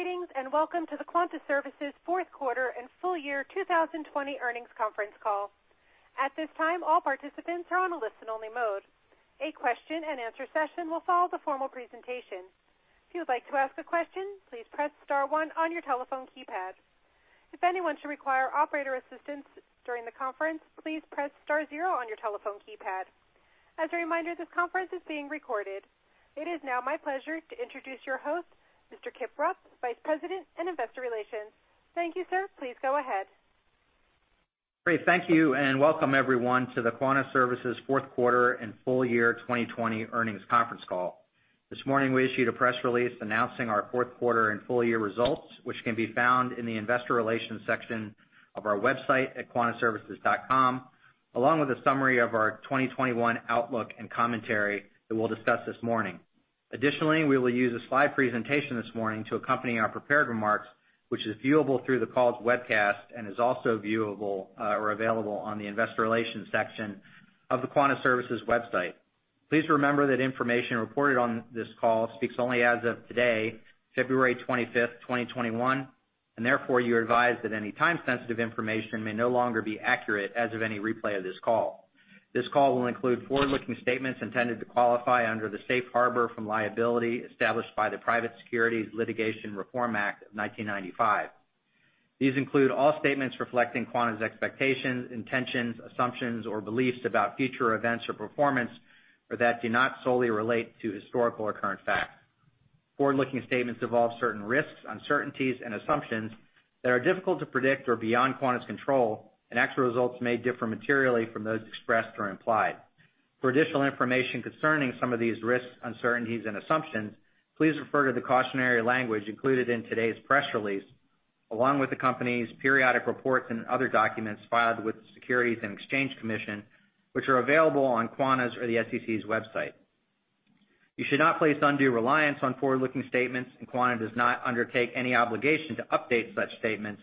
Greetings and welcome to the Quanta Services' Fourth Quarter and Full Year 2020 Earnings Conference Call. At this time, all participants are on a listen-only mode. A question-and-answer session will follow the formal presentation. If you would like to ask a question, please press star one on your telephone keypad. If anyone should require operator assistance during the conference, please press star zero on your telephone keypad. As a reminder, this conference is being recorded. It is now my pleasure to introduce your host, Mr. Kip Rupp, Vice President of Investor Relations. Thank you, sir. Please go ahead. Great. Thank you and welcome everyone to the Quanta Services Fourth Quarter and Full Year 2020 Earnings Conference Call. This morning, we issued a press release announcing our Fourth Quarter and Full Year results, which can be found in the Investor Relations section of our website at quantaservices.com, along with a summary of our 2021 outlook and commentary that we'll discuss this morning. Additionally, we will use a slide presentation this morning to accompany our prepared remarks, which is viewable through the call's webcast and is also available on the Investor Relations section of the Quanta Services website. Please remember that information reported on this call speaks only as of today, February 25th, 2021, and therefore you're advised that any time-sensitive information may no longer be accurate as of any replay of this call. This call will include forward-looking statements intended to qualify under the safe harbor from liability established by the Private Securities Litigation Reform Act of 1995. These include all statements reflecting Quanta's expectations, intentions, assumptions, or beliefs about future events or performance, or that do not solely relate to historical or current facts. Forward-looking statements involve certain risks, uncertainties, and assumptions that are difficult to predict or beyond Quanta's control, and actual results may differ materially from those expressed or implied. For additional information concerning some of these risks, uncertainties, and assumptions, please refer to the cautionary language included in today's press release, along with the company's periodic reports and other documents filed with the Securities and Exchange Commission, which are available on Quanta's or the SEC's website. You should not place undue reliance on forward-looking statements, and Quanta does not undertake any obligation to update such statements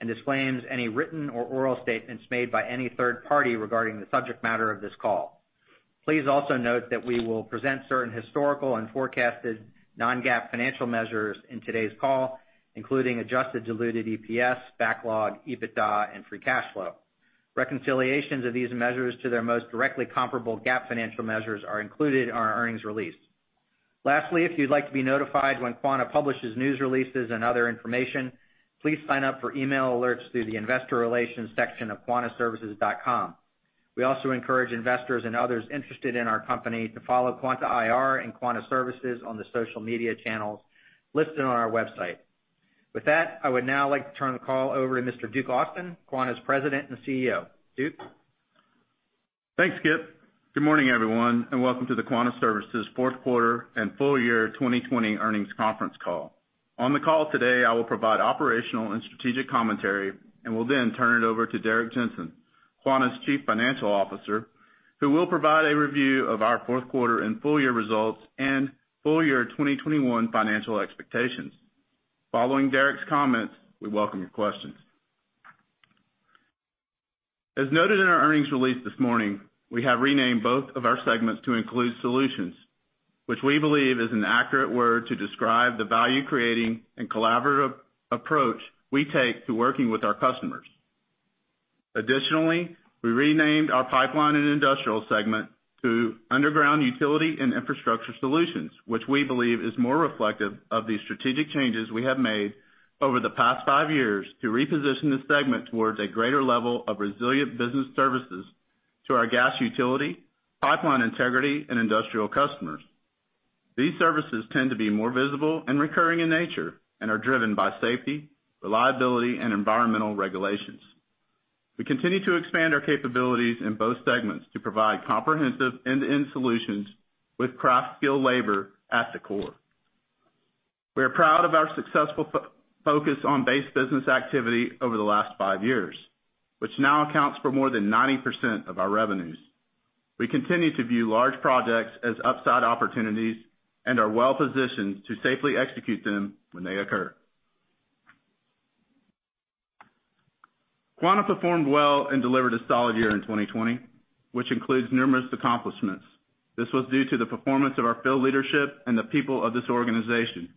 and disclaims any written or oral statements made by any third party regarding the subject matter of this call. Please also note that we will present certain historical and forecasted non-GAAP financial measures in today's call, including adjusted diluted EPS, backlog, EBITDA, and free cash flow. Reconciliations of these measures to their most directly comparable GAAP financial measures are included in our earnings release. Lastly, if you'd like to be notified when Quanta publishes news releases and other information, please sign up for email alerts through the Investor Relations section of quantaservices.com. We also encourage investors and others interested in our company to follow Quanta IR and Quanta Services on the social media channels listed on our website. With that, I would now like to turn the call over to Mr. Duke Austin, Quanta's President and CEO. Duke. Thanks, Kip. Good morning, everyone, and welcome to the Quanta Services' Fourth Quarter and Full Year 2020 Earnings Conference Call. On the call today, I will provide operational and strategic commentary and will then turn it over to Derrick Jensen, Quanta's Chief Financial Officer, who will provide a review of our Fourth Quarter and Full Year results and Full Year 2021 financial expectations. Following Derrick's comments, we welcome your questions. As noted in our earnings release this morning, we have renamed both of our segments to include solutions, which we believe is an accurate word to describe the value-creating and collaborative approach we take to working with our customers. Additionally, we renamed our pipeline and industrial segment to Underground Utility and Infrastructure Solutions, which we believe is more reflective of the strategic changes we have made over the past five years to reposition the segment towards a greater level of resilient business services to our gas utility, pipeline integrity, and industrial customers. These services tend to be more visible and recurring in nature and are driven by safety, reliability, and environmental regulations. We continue to expand our capabilities in both segments to provide comprehensive end-to-end solutions with craft skilled labor at the core. We are proud of our successful focus on base business activity over the last five years, which now accounts for more than 90% of our revenues. We continue to view large projects as upside opportunities and are well positioned to safely execute them when they occur. Quanta performed well and delivered a solid year in 2020, which includes numerous accomplishments. This was due to the performance of our field leadership and the people of this organization,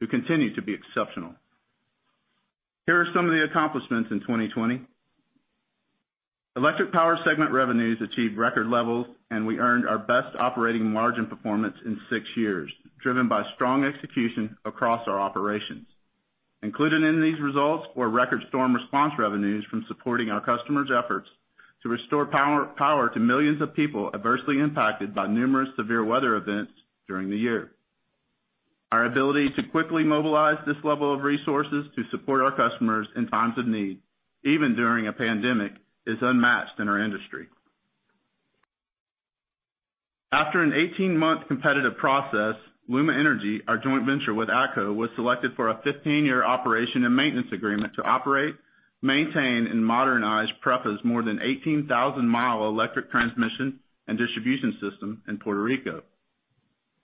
who continue to be exceptional. Here are some of the accomplishments in 2020. Electric power segment revenues achieved record levels, and we earned our best operating margin performance in six years, driven by strong execution across our operations. Included in these results were record storm response revenues from supporting our customers' efforts to restore power to millions of people adversely impacted by numerous severe weather events during the year. Our ability to quickly mobilize this level of resources to support our customers in times of need, even during a pandemic, is unmatched in our industry. After an 18-month competitive process, LUMA Energy, our joint venture with ATCO, was selected for a 15-year operation and maintenance agreement to operate, maintain, and modernize PREPA's more than 18,000-mi electric transmission and distribution system in Puerto Rico.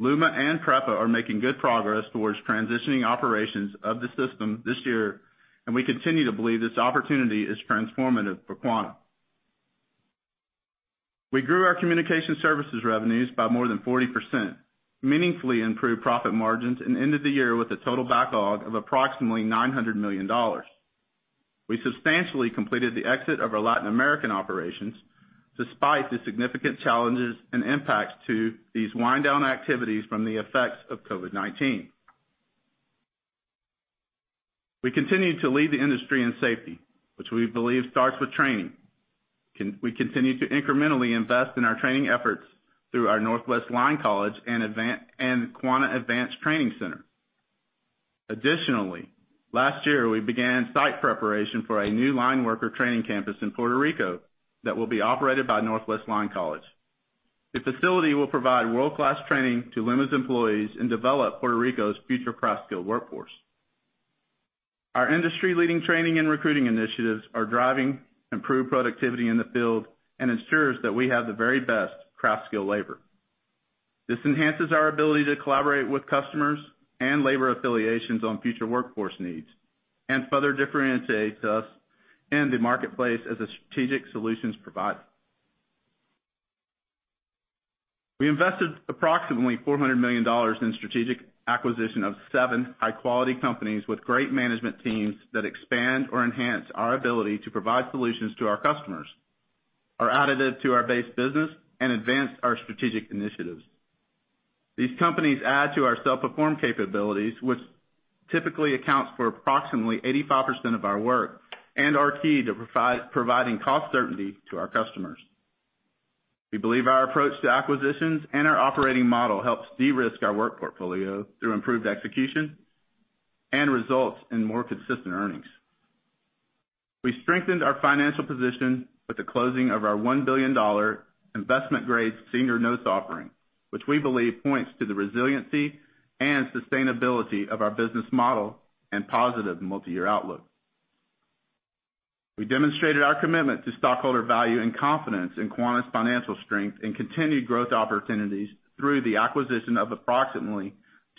LUMA and PREPA are making good progress towards transitioning operations of the system this year, and we continue to believe this opportunity is transformative for Quanta. We grew our communication services revenues by more than 40%, meaningfully improved profit margins, and ended the year with a total backlog of approximately $900 million. We substantially completed the exit of our Latin American operations despite the significant challenges and impacts to these wind-down activities from the effects of COVID-19. We continue to lead the industry in safety, which we believe starts with training. We continue to incrementally invest in our training efforts through our Northwest Line College and Quanta Advanced Training Center. Additionally, last year, we began site preparation for a new line worker training campus in Puerto Rico that will be operated by Northwest Line College. The facility will provide world-class training to LUMA's employees and develop Puerto Rico's future craft skilled workforce. Our industry-leading training and recruiting initiatives are driving improved productivity in the field and ensure that we have the very best craft skilled labor. This enhances our ability to collaborate with customers and labor affiliations on future workforce needs and further differentiates us in the marketplace as a strategic solutions provider. We invested approximately $400 million in strategic acquisition of seven high-quality companies with great management teams that expand or enhance our ability to provide solutions to our customers, are additive to our base business, and advance our strategic initiatives. These companies add to our self-perform capabilities, which typically accounts for approximately 85% of our work and are key to providing cost certainty to our customers. We believe our approach to acquisitions and our operating model helps de-risk our work portfolio through improved execution and results in more consistent earnings. We strengthened our financial position with the closing of our $1 billion investment-grade senior notes offering, which we believe points to the resiliency and sustainability of our business model and positive multi-year outlook. We demonstrated our commitment to stockholder value and confidence in Quanta's financial strength and continued growth opportunities through the acquisition of approximately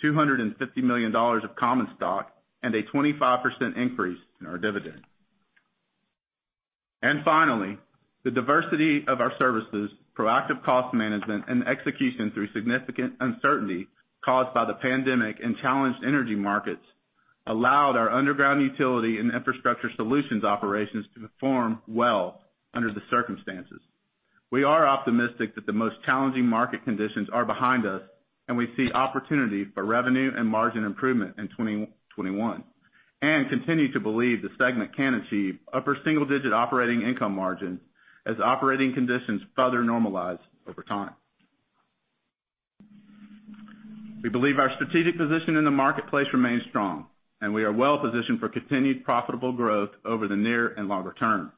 $250 million of common stock and a 25% increase in our dividend. The diversity of our services, proactive cost management, and execution through significant uncertainty caused by the pandemic and challenged energy markets allowed our Underground Utility and Infrastructure Solutions operations to perform well under the circumstances. We are optimistic that the most challenging market conditions are behind us, and we see opportunity for revenue and margin improvement in 2021 and continue to believe the segment can achieve upper single-digit operating income margins as operating conditions further normalize over time. We believe our strategic position in the marketplace remains strong, and we are well positioned for continued profitable growth over the near and longer term.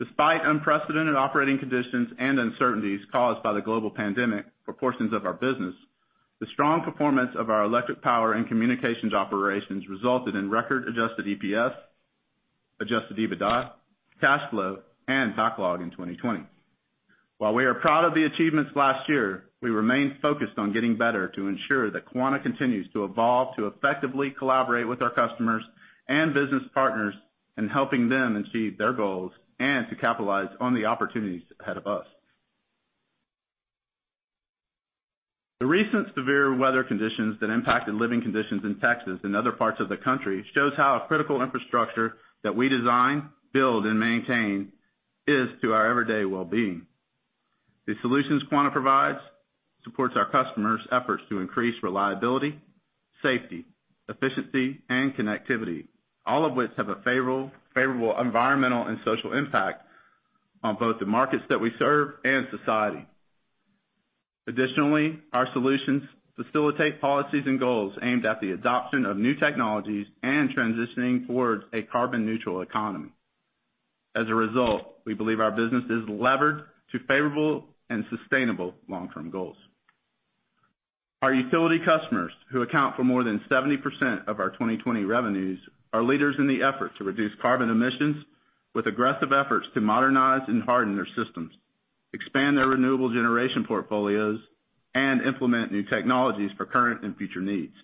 Despite unprecedented operating conditions and uncertainties caused by the global pandemic for portions of our business, the strong performance of our electric power and communications operations resulted in record adjusted EPS, adjusted EBITDA, cash flow, and backlog in 2020. While we are proud of the achievements last year, we remain focused on getting better to ensure that Quanta continues to evolve to effectively collaborate with our customers and business partners in helping them achieve their goals and to capitalize on the opportunities ahead of us. The recent severe weather conditions that impacted living conditions in Texas and other parts of the country show how critical infrastructure that we design, build, and maintain is to our everyday well-being. The solutions Quanta provides support our customers' efforts to increase reliability, safety, efficiency, and connectivity, all of which have a favorable environmental and social impact on both the markets that we serve and society. Additionally, our solutions facilitate policies and goals aimed at the adoption of new technologies and transitioning towards a carbon-neutral economy. As a result, we believe our business is levered to favorable and sustainable long-term goals. Our utility customers, who account for more than 70% of our 2020 revenues, are leaders in the effort to reduce carbon emissions with aggressive efforts to modernize and harden their systems, expand their renewable generation portfolios, and implement new technologies for current and future needs.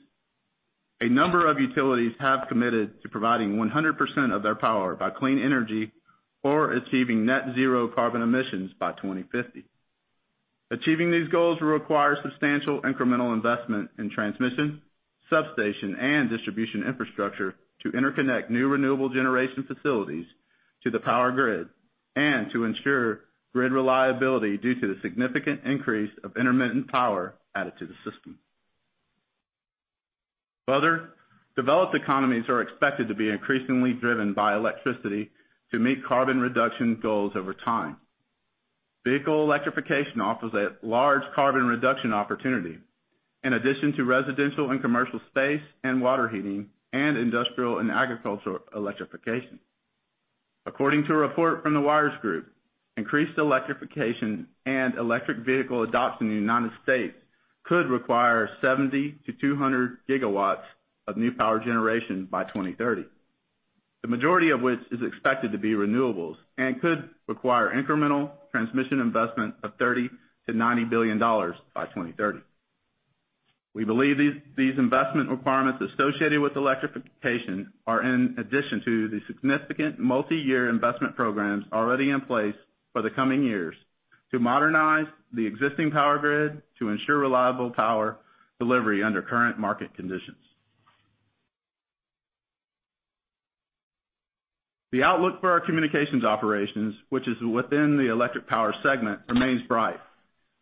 A number of utilities have committed to providing 100% of their power by clean energy or achieving net-zero carbon emissions by 2050. Achieving these goals will require substantial incremental investment in transmission, substation, and distribution infrastructure to interconnect new renewable generation facilities to the power grid and to ensure grid reliability due to the significant increase of intermittent power added to the system. Further, developed economies are expected to be increasingly driven by electricity to meet carbon reduction goals over time. Vehicle electrification offers a large carbon reduction opportunity in addition to residential and commercial space and water heating and industrial and agricultural electrification. According to a report from the WIRES Group, increased electrification and electric vehicle adoption in the United States could require 70-200 GW of new power generation by 2030, the majority of which is expected to be renewables and could require incremental transmission investment of $30 billion-$90 billion by 2030. We believe these investment requirements associated with electrification are in addition to the significant multi-year investment programs already in place for the coming years to modernize the existing power grid to ensure reliable power delivery under current market conditions. The outlook for our communications operations, which is within the electric power segment, remains bright.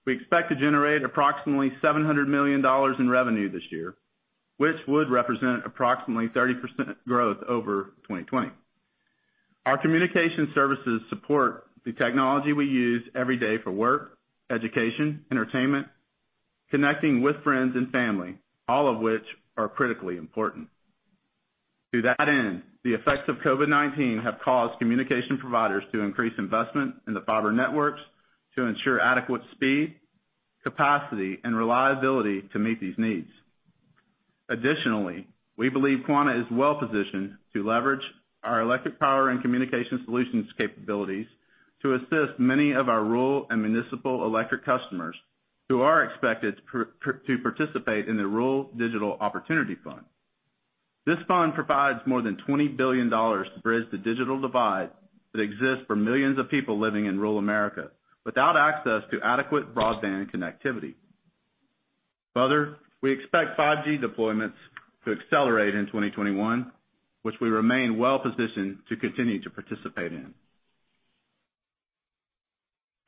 We expect to generate approximately $700 million in revenue this year, which would represent approximately 30% growth over 2020. Our communication services support the technology we use every day for work, education, entertainment, connecting with friends and family, all of which are critically important. To that end, the effects of COVID-19 have caused communication providers to increase investment in the fiber networks to ensure adequate speed, capacity, and reliability to meet these needs. Additionally, we believe Quanta is well positioned to leverage our electric power and communication solutions capabilities to assist many of our rural and municipal electric customers who are expected to participate in the Rural Digital Opportunity Fund. This fund provides more than $20 billion to bridge the digital divide that exists for millions of people living in rural America without access to adequate broadband connectivity. Further, we expect 5G deployments to accelerate in 2021, which we remain well positioned to continue to participate in.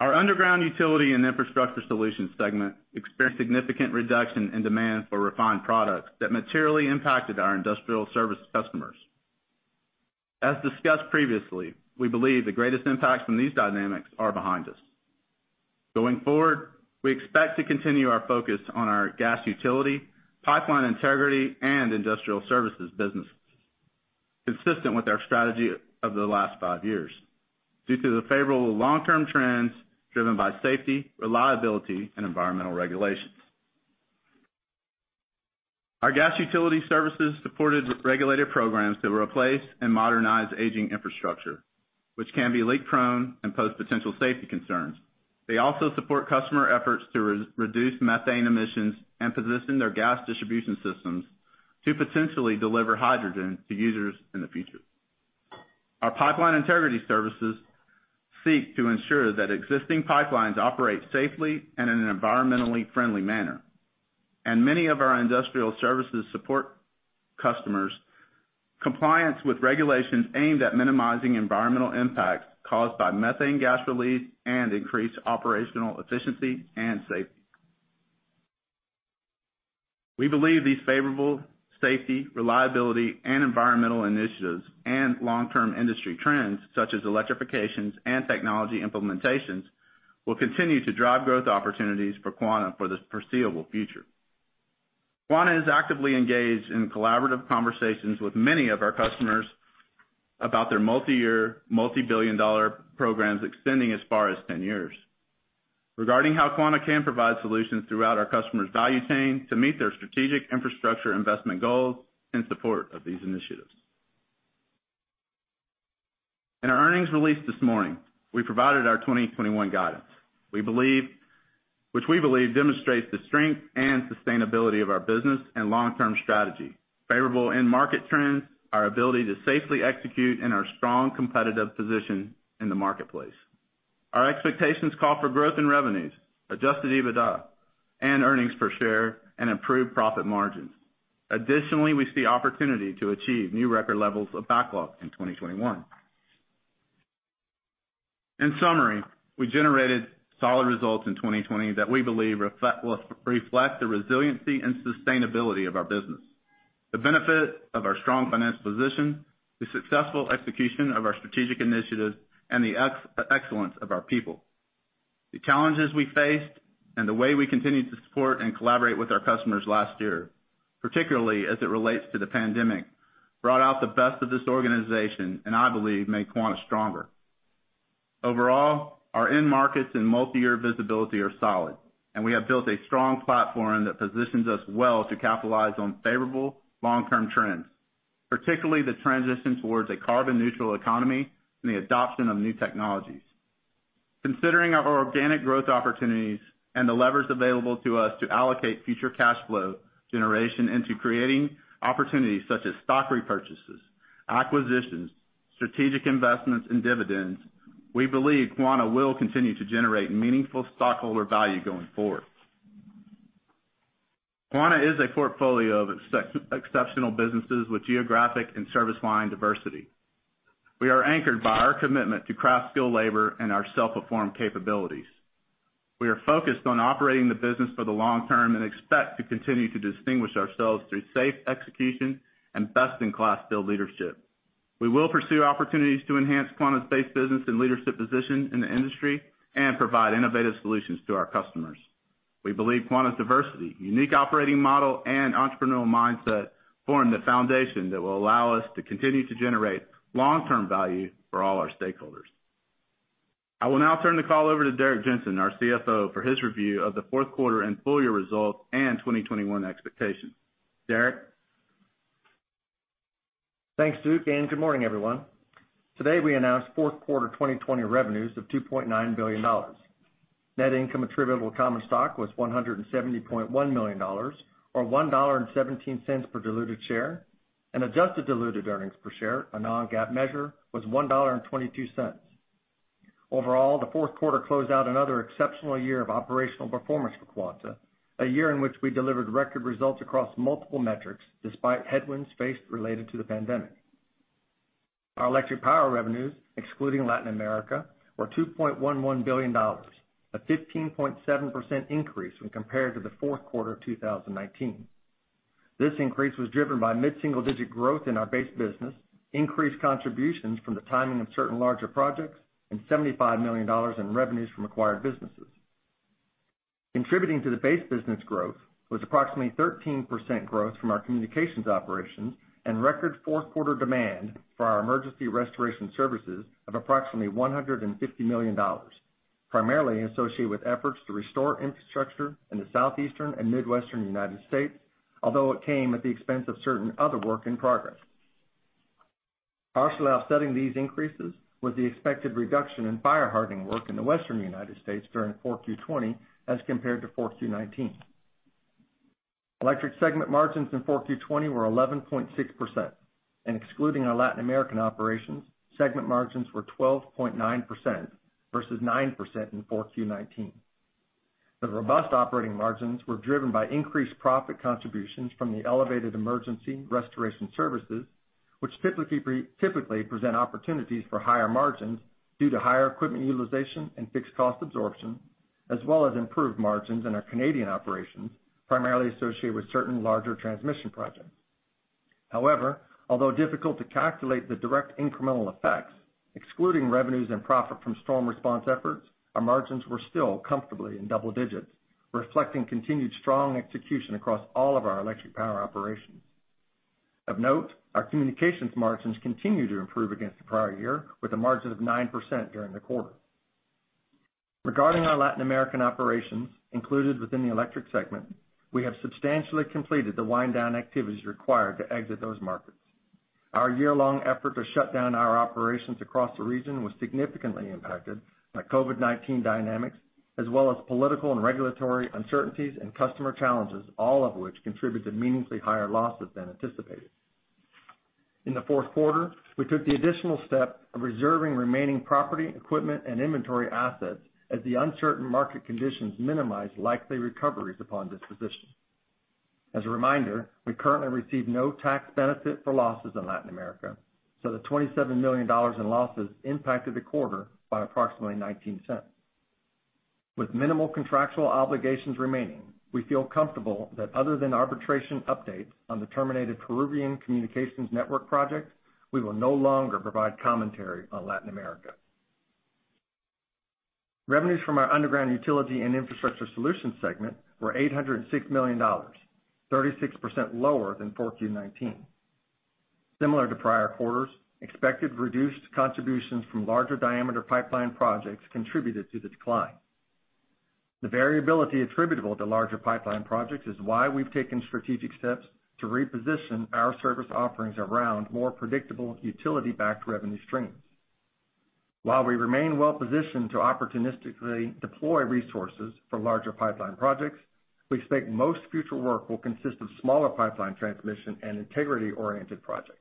Our Underground Utility and Infrastructure Solutions segment experienced significant reduction in demand for refined products that materially impacted our industrial service customers. As discussed previously, we believe the greatest impacts from these dynamics are behind us. Going forward, we expect to continue our focus on our gas utility, pipeline integrity, and industrial services business, consistent with our strategy of the last five years due to the favorable long-term trends driven by safety, reliability, and environmental regulations. Our gas utility services supported regulated programs to replace and modernize aging infrastructure, which can be leak-prone and pose potential safety concerns. They also support customer efforts to reduce methane emissions and position their gas distribution systems to potentially deliver hydrogen to users in the future. Our pipeline integrity services seek to ensure that existing pipelines operate safely and in an environmentally friendly manner. Many of our industrial services support customers' compliance with regulations aimed at minimizing environmental impacts caused by methane gas release and increased operational efficiency and safety. We believe these favorable safety, reliability, and environmental initiatives and long-term industry trends, such as electrifications and technology implementations, will continue to drive growth opportunities for Quanta for the foreseeable future. Quanta is actively engaged in collaborative conversations with many of our customers about their multi-year, multi-billion dollar programs extending as far as 10 years, regarding how Quanta can provide solutions throughout our customers' value chain to meet their strategic infrastructure investment goals in support of these initiatives. In our earnings released this morning, we provided our 2021 guidance, which we believe demonstrates the strength and sustainability of our business and long-term strategy, favorable in market trends, our ability to safely execute, and our strong competitive position in the marketplace. Our expectations call for growth in revenues, adjusted EBITDA, and earnings per share, and improved profit margins. Additionally, we see opportunity to achieve new record levels of backlog in 2021. In summary, we generated solid results in 2020 that we believe reflect the resiliency and sustainability of our business, the benefit of our strong financial position, the successful execution of our strategic initiatives, and the excellence of our people. The challenges we faced and the way we continued to support and collaborate with our customers last year, particularly as it relates to the pandemic, brought out the best of this organization and, I believe, made Quanta stronger. Overall, our end markets and multi-year visibility are solid, and we have built a strong platform that positions us well to capitalize on favorable long-term trends, particularly the transition towards a carbon-neutral economy and the adoption of new technologies. Considering our organic growth opportunities and the levers available to us to allocate future cash flow generation into creating opportunities such as stock repurchases, acquisitions, strategic investments, and dividends, we believe Quanta will continue to generate meaningful stockholder value going forward. Quanta is a portfolio of exceptional businesses with geographic and service line diversity. We are anchored by our commitment to craft skilled labor and our self-perform capabilities. We are focused on operating the business for the long term and expect to continue to distinguish ourselves through safe execution and best-in-class skilled leadership. We will pursue opportunities to enhance Quanta's base business and leadership position in the industry and provide innovative solutions to our customers. We believe Quanta's diversity, unique operating model, and entrepreneurial mindset form the foundation that will allow us to continue to generate long-term value for all our stakeholders. I will now turn the call over to Derrick Jensen, our CFO, for his review of the fourth quarter and full-year results and 2021 expectations. Derrick. Thanks, Duke, and good morning, everyone. Today, we announced fourth quarter 2020 revenues of $2.9 billion. Net income attributable to common stock was $170.1 million, or $1.17 per diluted share, and adjusted diluted earnings per share, a non-GAAP measure, was $1.22. Overall, the fourth quarter closed out another exceptional year of operational performance for Quanta, a year in which we delivered record results across multiple metrics despite headwinds faced related to the pandemic. Our electric power revenues, excluding Latin America, were $2.11 billion, a 15.7% increase when compared to the fourth quarter of 2019. This increase was driven by mid-single-digit growth in our base business, increased contributions from the timing of certain larger projects, and $75 million in revenues from acquired businesses. Contributing to the base business growth was approximately 13% growth from our communications operations and record fourth quarter demand for our emergency restoration services of approximately $150 million, primarily associated with efforts to restore infrastructure in the southeastern and midwestern United States, although it came at the expense of certain other work in progress. Partially offsetting these increases was the expected reduction in fire hardening work in the western United States during 4Q 2020 as compared to 4Q 2019. Electric segment margins in 4Q 2020 were 11.6%, and excluding our Latin American operations, segment margins were 12.9% versus 9% in 4Q 2019. The robust operating margins were driven by increased profit contributions from the elevated emergency restoration services, which typically present opportunities for higher margins due to higher equipment utilization and fixed cost absorption, as well as improved margins in our Canadian operations, primarily associated with certain larger transmission projects. However, although difficult to calculate the direct incremental effects, excluding revenues and profit from storm response efforts, our margins were still comfortably in double digits, reflecting continued strong execution across all of our electric power operations. Of note, our communications margins continue to improve against the prior year, with a margin of 9% during the quarter. Regarding our Latin American operations included within the electric segment, we have substantially completed the wind-down activities required to exit those markets. Our year-long effort to shut down our operations across the region was significantly impacted by COVID-19 dynamics, as well as political and regulatory uncertainties and customer challenges, all of which contributed to meaningfully higher losses than anticipated. In the fourth quarter, we took the additional step of reserving remaining property, equipment, and inventory assets as the uncertain market conditions minimized likely recoveries upon disposition. As a reminder, we currently receive no tax benefit for losses in Latin America, so the $27 million in losses impacted the quarter by approximately 19%. With minimal contractual obligations remaining, we feel comfortable that other than arbitration updates on the terminated Peruvian Communications Network Project, we will no longer provide commentary on Latin America. Revenues from our Underground Utility and Infrastructure Solutions segment were $806 million, 36% lower than 4Q 2019. Similar to prior quarters, expected reduced contributions from larger diameter pipeline projects contributed to the decline. The variability attributable to larger pipeline projects is why we've taken strategic steps to reposition our service offerings around more predictable utility-backed revenue streams. While we remain well positioned to opportunistically deploy resources for larger pipeline projects, we expect most future work will consist of smaller pipeline transmission and integrity-oriented projects.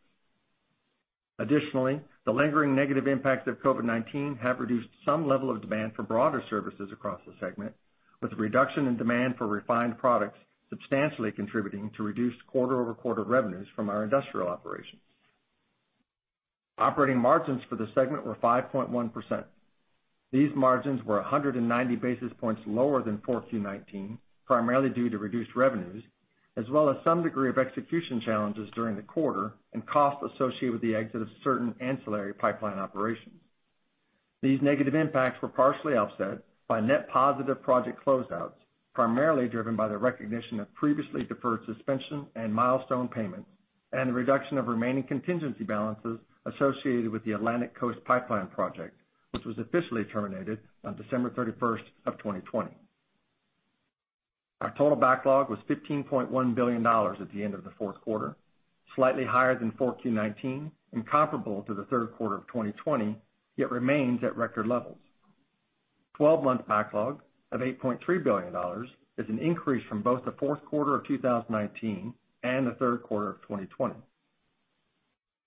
Additionally, the lingering negative impacts of COVID-19 have reduced some level of demand for broader services across the segment, with a reduction in demand for refined products substantially contributing to reduced quarter-over-quarter revenues from our industrial operations. Operating margins for the segment were 5.1%. These margins were 190 basis points lower than 4Q 2019, primarily due to reduced revenues, as well as some degree of execution challenges during the quarter and costs associated with the exit of certain ancillary pipeline operations. These negative impacts were partially offset by net positive project closeouts, primarily driven by the recognition of previously deferred suspension and mistone payments, and the reduction of remaining contingency balances associated with the Atlantic Coast Pipeline Project, which was officially terminated on December 31st of 2020. Our total backlog was $15.1 billion at the end of the fourth quarter, slightly higher than 4Q 2019 and comparable to the third quarter of 2020, yet remains at record levels. Twelve-month backlog of $8.3 billion is an increase from both the fourth quarter of 2019 and the third quarter of 2020.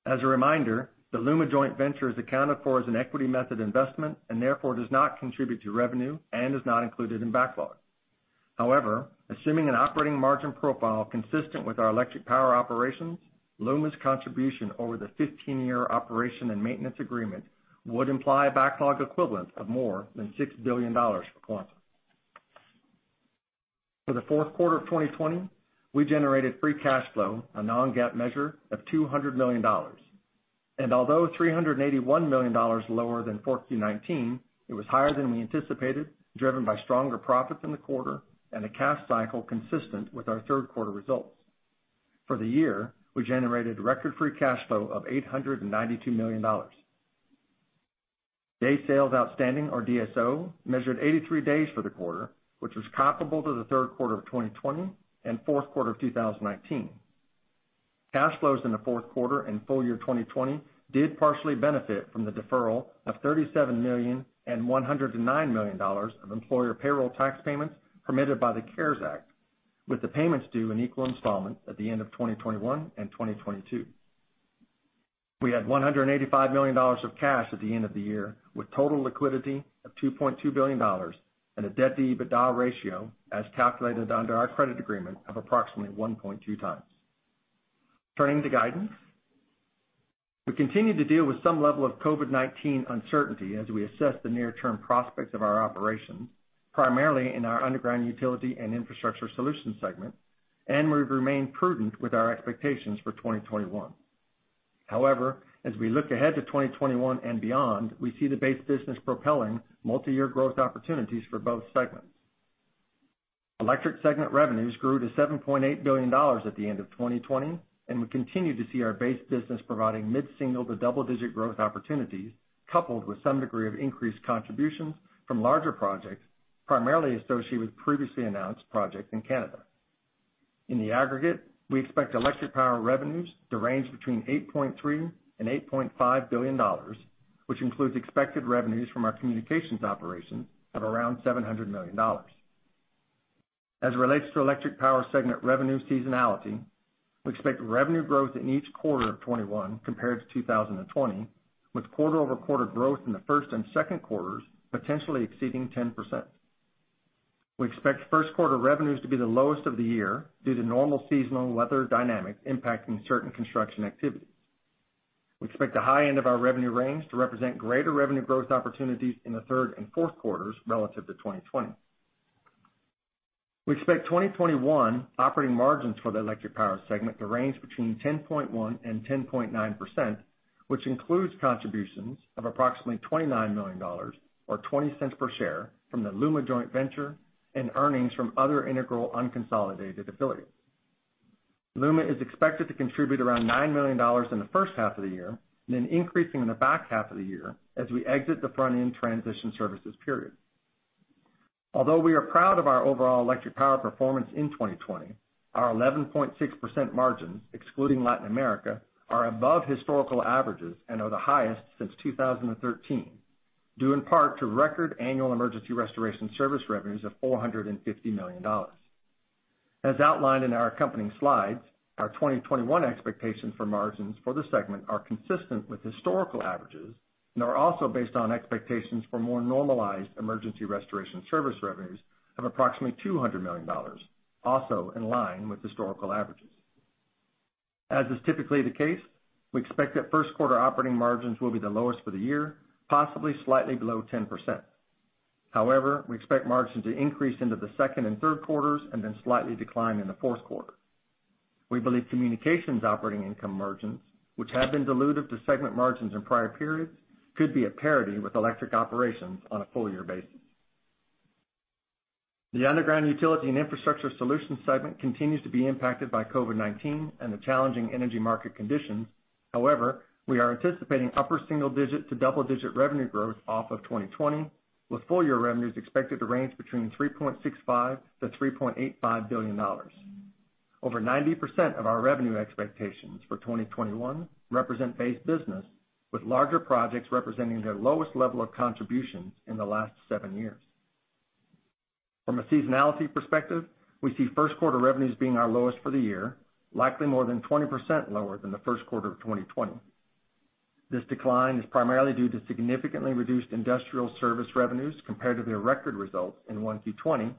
As a reminder, the LUMA joint venture is accounted for as an equity method investment and therefore does not contribute to revenue and is not included in backlog. However, assuming an operating margin profile consistent with our electric power operations, LUMA's contribution over the 15-year operation and maintenance agreement would imply a backlog equivalent of more than $6 billion for Quanta. For the fourth quarter of 2020, we generated free cash flow, a non-GAAP measure, of $200 million. Although $381 million lower than 4Q 2019, it was higher than we anticipated, driven by stronger profits in the quarter and a cash cycle consistent with our third quarter results. For the year, we generated record free cash flow of $892 million. Day sales outstanding, or DSO, measured 83 days for the quarter, which was comparable to the third quarter of 2020 and fourth quarter of 2019. Cash flows in the fourth quarter and full-year 2020 did partially benefit from the deferral of $37 million and $109 million of employer payroll tax payments permitted by the CARES Act, with the payments due in equal installments at the end of 2021 and 2022. We had $185 million of cash at the end of the year, with total liquidity of $2.2 billion and a debt-to-EBITDA ratio as calculated under our credit agreement of approximately 1.2 times. Turning to guidance, we continue to deal with some level of COVID-19 uncertainty as we assess the near-term prospects of our operations, primarily in our Underground Utility and Infrastructure Solutions segment, and we remain prudent with our expectations for 2021. However, as we look ahead to 2021 and beyond, we see the base business propelling multi-year growth opportunities for both segments. Electric segment revenues grew to $7.8 billion at the end of 2020, and we continue to see our base business providing mid-single to double-digit growth opportunities, coupled with some degree of increased contributions from larger projects, primarily associated with previously announced projects in Canada. In the aggregate, we expect electric power revenues to range between $8.3 billion-$8.5 billion, which includes expected revenues from our communications operations of around $700 million. As it relates to electric power segment revenue seasonality, we expect revenue growth in each quarter of 2021 compared to 2020, with quarter-over-quarter growth in the first and second quarters potentially exceeding 10%. We expect first quarter revenues to be the lowest of the year due to normal seasonal weather dynamics impacting certain construction activities. We expect the high end of our revenue range to represent greater revenue growth opportunities in the third and fourth quarters relative to 2020. We expect 2021 operating margins for the electric power segment to range between 10.1-10.9%, which includes contributions of approximately $29 million, or $0.20 per share, from the LUMA joint venture and earnings from other integral unconsolidated affiliates. LUMA is expected to contribute around $9 million in the first half of the year and then increasing in the back half of the year as we exit the front-end transition services period. Although we are proud of our overall electric power performance in 2020, our 11.6% margins, excluding Latin America, are above historical averages and are the highest since 2013, due in part to record annual emergency restoration service revenues of $450 million. As outlined in our accompanying slides, our 2021 expectations for margins for the segment are consistent with historical averages and are also based on expectations for more normalized emergency restoration service revenues of approximately $200 million, also in line with historical averages. As is typically the case, we expect that first quarter operating margins will be the lowest for the year, possibly slightly below 10%. However, we expect margins to increase into the second and third quarters and then slightly decline in the fourth quarter. We believe communications operating income margins, which have been dilutive to segment margins in prior periods, could be at parity with electric operations on a full-year basis. The Underground Utility and Infrastructure Solutions segment continues to be impacted by COVID-19 and the challenging energy market conditions. However, we are anticipating upper single-digit to double-digit revenue growth off of 2020, with full-year revenues expected to range between $3.65 billion and $3.85 billion. Over 90% of our revenue expectations for 2021 represent base business, with larger projects representing their lowest level of contributions in the last seven years. From a seasonality perspective, we see first quarter revenues being our lowest for the year, likely more than 20% lower than the first quarter of 2020. This decline is primarily due to significantly reduced industrial service revenues compared to their record results in 1Q 2020,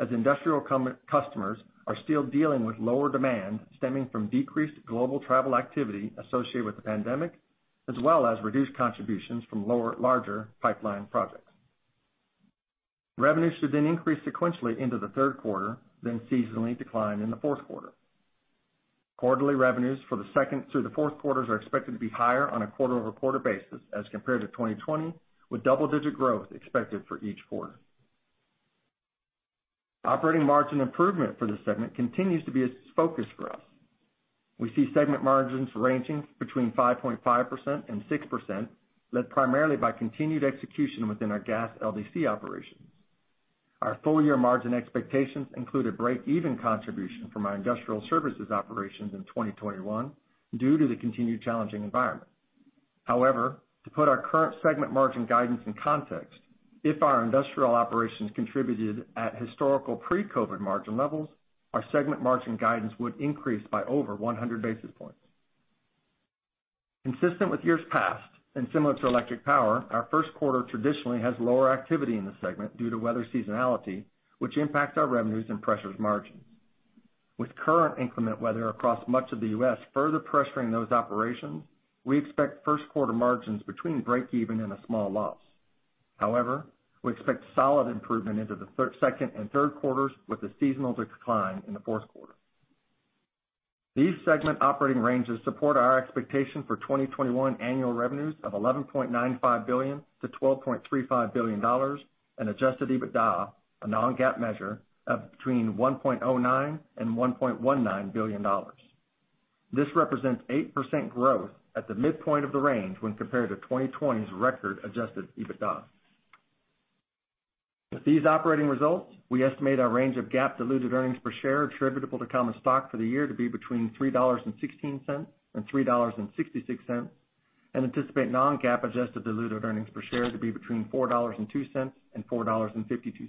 as industrial customers are still dealing with lower demand stemming from decreased global travel activity associated with the pandemic, as well as reduced contributions from larger pipeline projects. Revenues should then increase sequentially into the third quarter, then seasonally decline in the fourth quarter. Quarterly revenues for the second through the fourth quarters are expected to be higher on a quarter-over-quarter basis as compared to 2020, with double-digit growth expected for each quarter. Operating margin improvement for the segment continues to be a focus for us. We see segment margins ranging between 5.5%-6%, led primarily by continued execution within our gas LDC operations. Our full-year margin expectations include a break-even contribution from our industrial services operations in 2021 due to the continued challenging environment. However, to put our current segment margin guidance in context, if our industrial operations contributed at historical pre-COVID margin levels, our segment margin guidance would increase by over 100 basis points. Consistent with years past and similar to electric power, our first quarter traditionally has lower activity in the segment due to weather seasonality, which impacts our revenues and pressures margins. With current inclement weather across much of the U.S. further pressuring those operations, we expect first quarter margins between break-even and a small loss. However, we expect solid improvement into the second and third quarters with a seasonal decline in the fourth quarter. These segment operating ranges support our expectation for 2021 annual revenues of $11.95 billion-$12.35 billion and adjusted EBITDA, a non-GAAP measure, of between $1.09 billion and $1.19 billion. This represents 8% growth at the midpoint of the range when compared to 2020's record adjusted EBITDA. With these operating results, we estimate our range of GAAP-diluted earnings per share attributable to common stock for the year to be between $3.16 and $3.66 and anticipate non-GAAP adjusted diluted earnings per share to be between $4.02 and $4.52.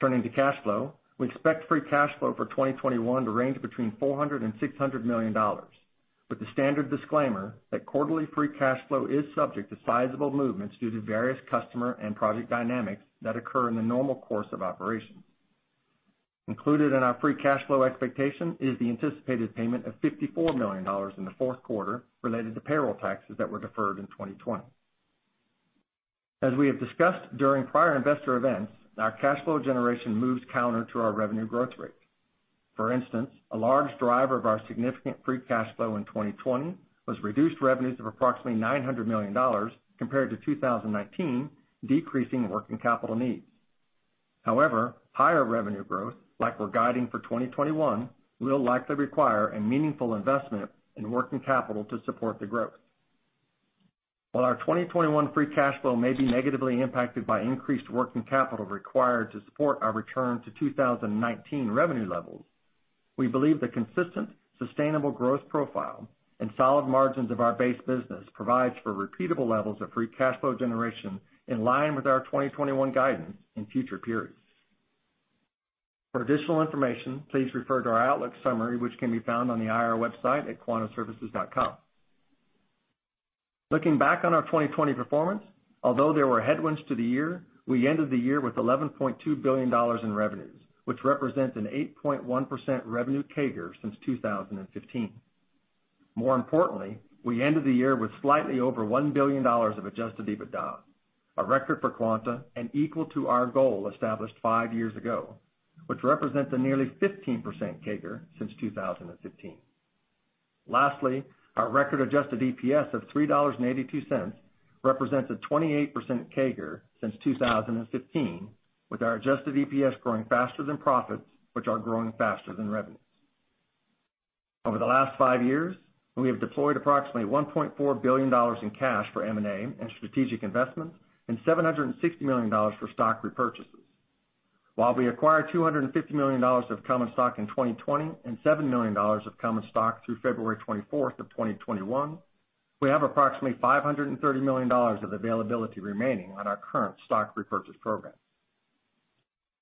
Turning to cash flow, we expect free cash flow for 2021 to range between $400 million and $600 million, with the standard disclaimer that quarterly free cash flow is subject to sizable movements due to various customer and project dynamics that occur in the normal course of operations. Included in our free cash flow expectation is the anticipated payment of $54 million in the fourth quarter related to payroll taxes that were deferred in 2020. As we have discussed during prior investor events, our cash flow generation moves counter to our revenue growth rate. For instance, a large driver of our significant free cash flow in 2020 was reduced revenues of approximately $900 million compared to 2019, decreasing working capital needs. However, higher revenue growth, like we're guiding for 2021, will likely require a meaningful investment in working capital to support the growth. While our 2021 free cash flow may be negatively impacted by increased working capital required to support our return to 2019 revenue levels, we believe the consistent, sustainable growth profile and solid margins of our base business provide for repeatable levels of free cash flow generation in line with our 2021 guidance in future periods. For additional information, please refer to our outlook summary, which can be found on the IR website at quantaservices.com. Looking back on our 2020 performance, although there were headwinds to the year, we ended the year with $11.2 billion in revenues, which represents an 8.1% revenue CAGR since 2015. More importantly, we ended the year with slightly over $1 billion of adjusted EBITDA, a record for Quanta and equal to our goal established five years ago, which represents a nearly 15% CAGR since 2015. Lastly, our record adjusted EPS of $3.82 represents a 28% CAGR since 2015, with our adjusted EPS growing faster than profits, which are growing faster than revenues. Over the last five years, we have deployed approximately $1.4 billion in cash for M&A and strategic investments and $760 million for stock repurchases. While we acquired $250 million of common stock in 2020 and $7 million of common stock through February 24th of 2021, we have approximately $530 million of availability remaining on our current stock repurchase program.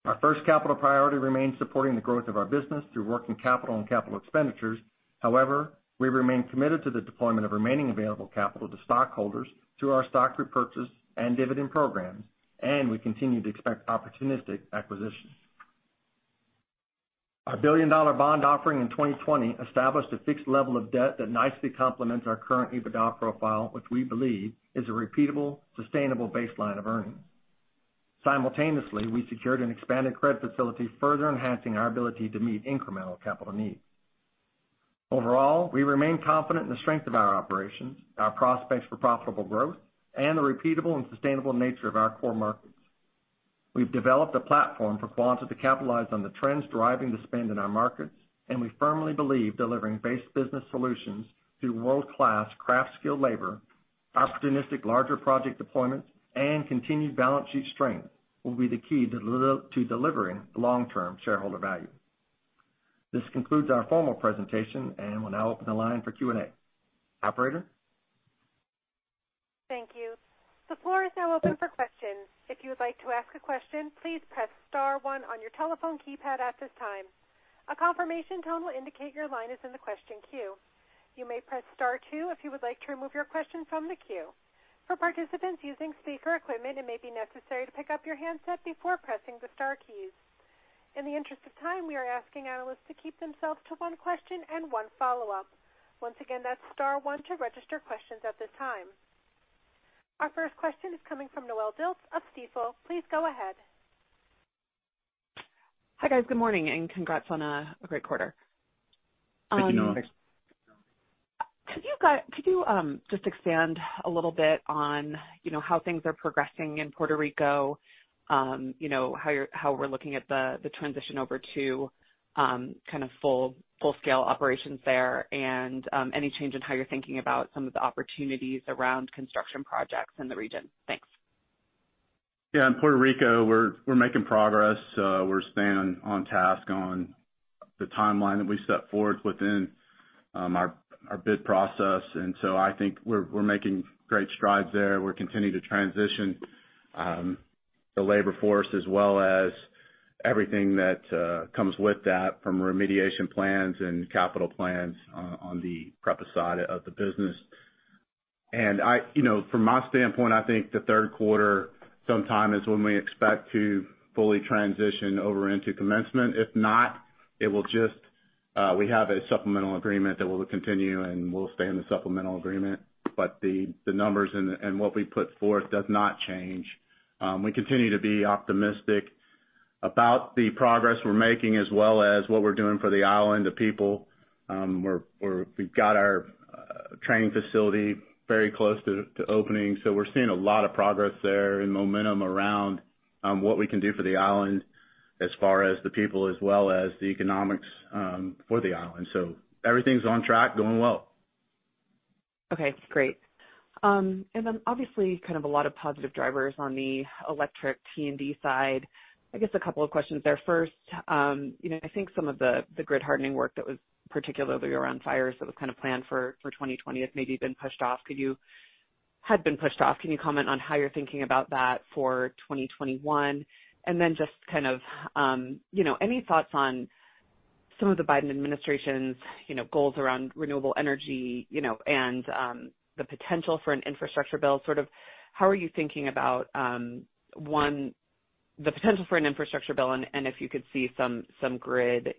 Our first capital priority remains supporting the growth of our business through working capital and capital expenditures. However, we remain committed to the deployment of remaining available capital to stockholders through our stock repurchase and dividend programs, and we continue to expect opportunistic acquisitions. Our billion-dollar bond offering in 2020 established a fixed level of debt that nicely complements our current EBITDA profile, which we believe is a repeatable, sustainable baseline of earnings. Simultaneously, we secured an expanded credit facility, further enhancing our ability to meet incremental capital needs. Overall, we remain confident in the strength of our operations, our prospects for profitable growth, and the repeatable and sustainable nature of our core markets. We've developed a platform for Quanta to capitalize on the trends driving the spend in our markets, and we firmly believe delivering base business solutions through world-class craft skilled labor, opportunistic larger project deployments, and continued balance sheet strength will be the key to delivering long-term shareholder value. This concludes our formal presentation, and we'll now open the line for Q&A. Operator? Thank you. The floor is now open for questions. If you would like to ask a question, please press star one on your telephone keypad at this time. A confirmation tone will indicate your line is in the question queue. You may press star two if you would like to remove your question from the queue. For participants using speaker equipment, it may be necessary to pick up your handset before pressing the star keys. In the interest of time, we are asking analysts to keep themselves to one question and one follow-up. Once again, that's star one to register questions at this time. Our first question is coming from Noelle Dilts of Stifel. Please go ahead. Hi, guys. Good morning and congrats on a great quarter. Thank you, Noelle. Could you just expand a little bit on how things are progressing in Puerto Rico, how we're looking at the transition over to kind of full-scale operations there, and any change in how you're thinking about some of the opportunities around construction projects in the region? Thanks. Yeah, in Puerto Rico, we're making progress. We're staying on task on the timeline that we set forth within our bid process. I think we're making great strides there. We're continuing to transition the labor force as well as everything that comes with that from remediation plans and capital plans on the PREPA side of the business. From my standpoint, I think the third quarter sometime is when we expect to fully transition over into commencement. If not, we have a supplemental agreement that will continue and we'll stay in the supplemental agreement. The numbers and what we put forth does not change. We continue to be optimistic about the progress we're making as well as what we're doing for the island, the people. We've got our training facility very close to opening, so we're seeing a lot of progress there and momentum around what we can do for the island as far as the people as well as the economics for the island. Everything's on track, going well. Okay, great. Obviously kind of a lot of positive drivers on the electric T&D side. I guess a couple of questions there. First, I think some of the grid hardening work that was particularly around fires that was kind of planned for 2020 has maybe been pushed off. Could you had been pushed off? Can you comment on how you're thinking about that for 2021? Just kind of any thoughts on some of the Biden Administration's goals around renewable energy and the potential for an infrastructure bill? Sort of how are you thinking about, one, the potential for an infrastructure bill and if you could see some grid-related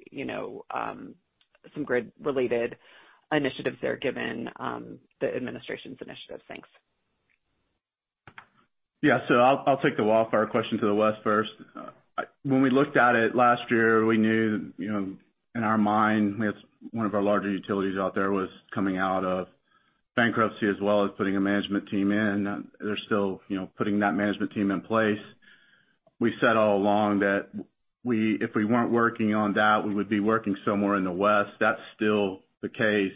initiatives there given the administration's initiatives? Thanks. Yeah, I'll take the wildfire question to the west first. When we looked at it last year, we knew in our mind, one of our larger utilities out there was coming out of bankruptcy as well as putting a management team in. They're still putting that management team in place. We said all along that if we weren't working on that, we would be working somewhere in the west. That's still the case.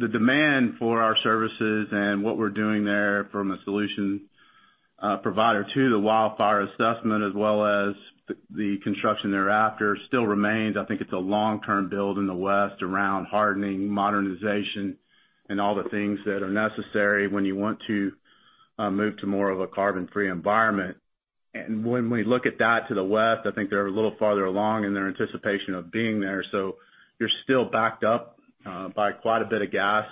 The demand for our services and what we're doing there from a solution provider to the wildfire assessment as well as the construction thereafter still remains. I think it's a long-term build in the west around hardening, modernization, and all the things that are necessary when you want to move to more of a carbon-free environment. When we look at that to the west, I think they're a little farther along in their anticipation of being there. You're still backed up by quite a bit of gas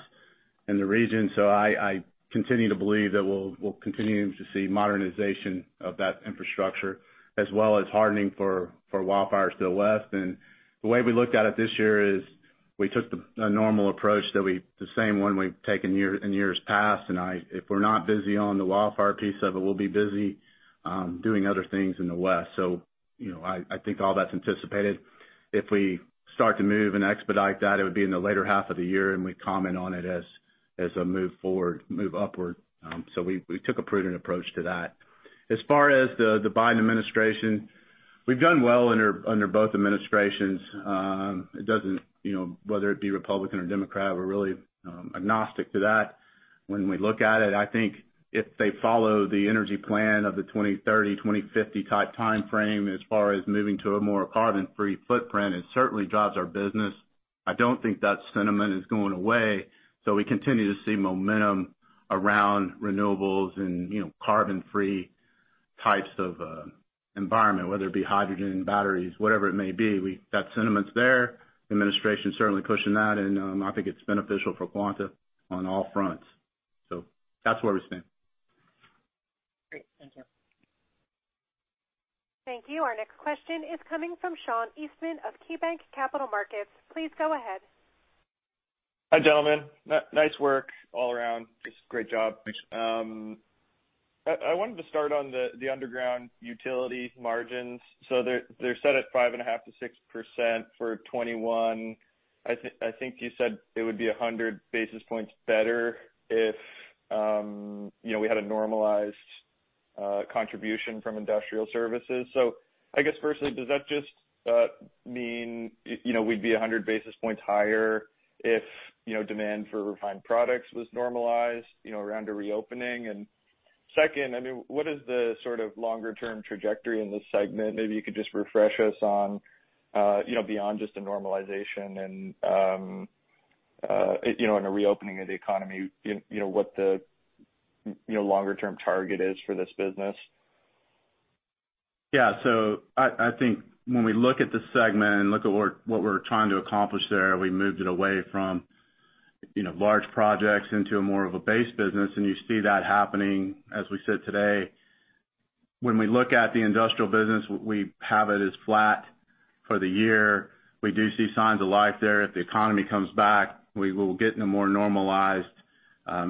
in the region. I continue to believe that we'll continue to see modernization of that infrastructure as well as hardening for wildfires to the west. The way we looked at it this year is we took a normal approach, the same one we've taken in years past. If we're not busy on the wildfire piece of it, we'll be busy doing other things in the west. I think all that's anticipated. If we start to move and expedite that, it would be in the later half of the year, and we'd comment on it as we move forward, move upward. We took a prudent approach to that. As far as the Biden Administration, we've done well under both administrations. It doesn't matter whether it be Republican or Democrat, we're really agnostic to that. When we look at it, I think if they follow the energy plan of the 2030, 2050 type timeframe as far as moving to a more carbon-free footprint, it certainly drives our business. I don't think that sentiment is going away. We continue to see momentum around renewables and carbon-free types of environment, whether it be hydrogen, batteries, whatever it may be. That sentiment's there. The administration's certainly pushing that, and I think it's beneficial for Quanta on all fronts. That's where we stand. Great. Thank you. Thank you. Our next question is coming from Sean Eastman of KeyBanc Capital Markets. Please go ahead. Hi, gentlemen. Nice work all around. Just great job. I wanted to start on the underground utility margins. They are set at 5.5%-6% for 2021. I think you said it would be 100 basis points better if we had a normalized contribution from industrial services. I guess, firstly, does that just mean we would be 100 basis points higher if demand for refined products was normalized around a reopening? I mean, what is the sort of longer-term trajectory in this segment? Maybe you could just refresh us on beyond just a normalization and a reopening of the economy, what the longer-term target is for this business? Yeah. I think when we look at the segment and look at what we're trying to accomplish there, we moved it away from large projects into more of a base business. You see that happening as we sit today. When we look at the industrial business, we have it as flat for the year. We do see signs of life there. If the economy comes back, we will get in a more normalized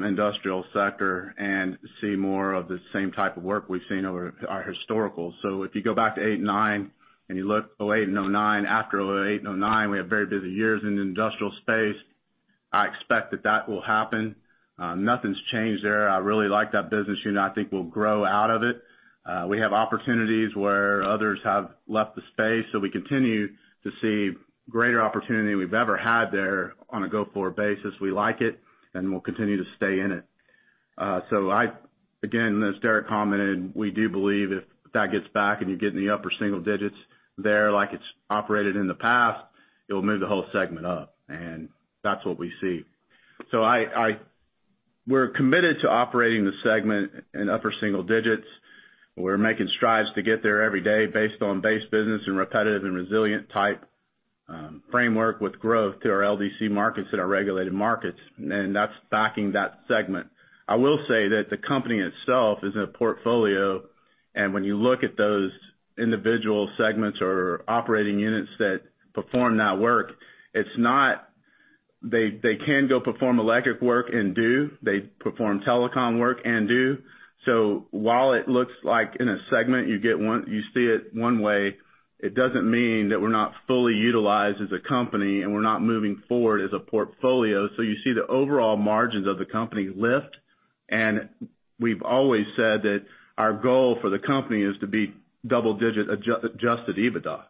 industrial sector and see more of the same type of work we've seen over our historicals. If you go back to 2008 and 2009 and you look at 2008 and 2009, after 2008 and 2009, we had very busy years in the industrial space. I expect that that will happen. Nothing's changed there. I really like that business unit. I think we'll grow out of it. We have opportunities where others have left the space. We continue to see greater opportunity than we've ever had there on a go-forward basis. We like it, and we'll continue to stay in it. As Derrick commented, we do believe if that gets back and you get in the upper single digits there like it's operated in the past, it will move the whole segment up. That's what we see. We're committed to operating the segment in upper single digits. We're making strides to get there every day based on base business and repetitive and resilient type framework with growth to our LDC markets and our regulated markets. That's backing that segment. I will say that the company itself is in a portfolio. When you look at those individual segments or operating units that perform that work, it's not they can go perform electric work and do. They perform telecom work and do. While it looks like in a segment you see it one way, it does not mean that we are not fully utilized as a company and we are not moving forward as a portfolio. You see the overall margins of the company lift. We have always said that our goal for the company is to be double-digit adjusted EBITDA.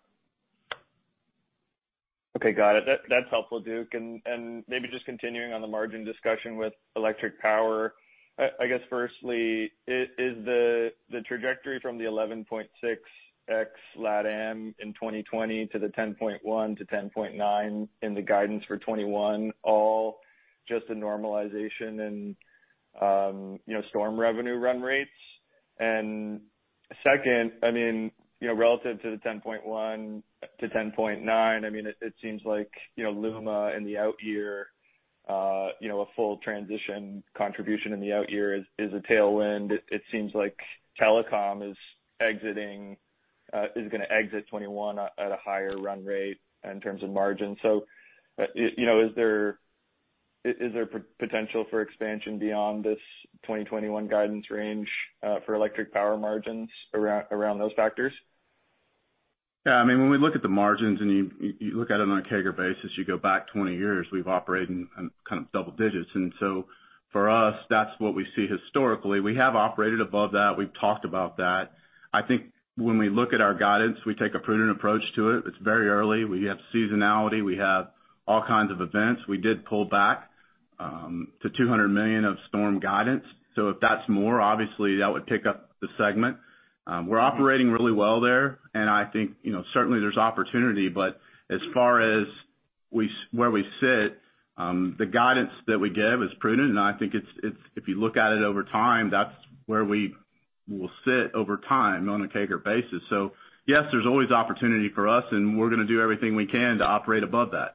Okay. Got it. That's helpful, Duke. Maybe just continuing on the margin discussion with electric power, I guess, firstly, is the trajectory from the 11.6% ex-LATAM in 2020 to the 10.1%-10.9% in the guidance for 2021 all just a normalization in storm revenue run rates? Second, I mean, relative to the 10.1%-10.9%, I mean, it seems like LUMA and the out year, a full transition contribution in the out year is a tailwind. It seems like telecom is going to exit 2021 at a higher run rate in terms of margin. Is there potential for expansion beyond this 2021 guidance range for electric power margins around those factors? Yeah. I mean, when we look at the margins and you look at it on a CAGR basis, you go back 20 years, we've operated in kind of double digits. For us, that's what we see historically. We have operated above that. We've talked about that. I think when we look at our guidance, we take a prudent approach to it. It's very early. We have seasonality. We have all kinds of events. We did pull back to $200 million of storm guidance. If that's more, obviously, that would pick up the segment. We're operating really well there. I think certainly there's opportunity. As far as where we sit, the guidance that we give is prudent. I think if you look at it over time, that's where we will sit over time on a CAGR basis. Yes, there's always opportunity for us, and we're going to do everything we can to operate above that.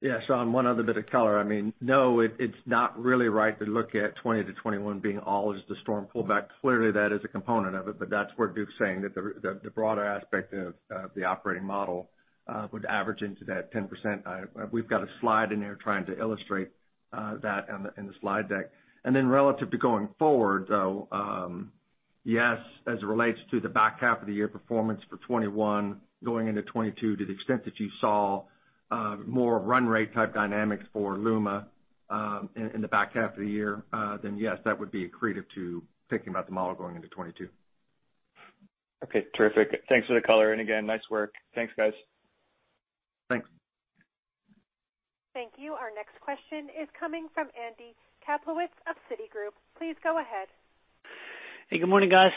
Yeah. On one other bit of color, I mean, no, it's not really right to look at 2020 to 2021 being all as the storm pullback. Clearly, that is a component of it. That's where Duke's saying that the broader aspect of the operating model would average into that 10%. We've got a slide in there trying to illustrate that in the slide deck. Relative to going forward, though, yes, as it relates to the back half of the year performance for 2021 going into 2022, to the extent that you saw more run rate type dynamics for LUMA in the back half of the year, then yes, that would be accretive to thinking about the model going into 2022. Okay. Terrific. Thanks for the color. Again, nice work. Thanks, guys. Thanks. Thank you. Our next question is coming from Andy Kaplowitz of Citigroup. Please go ahead. Hey, good morning, guys.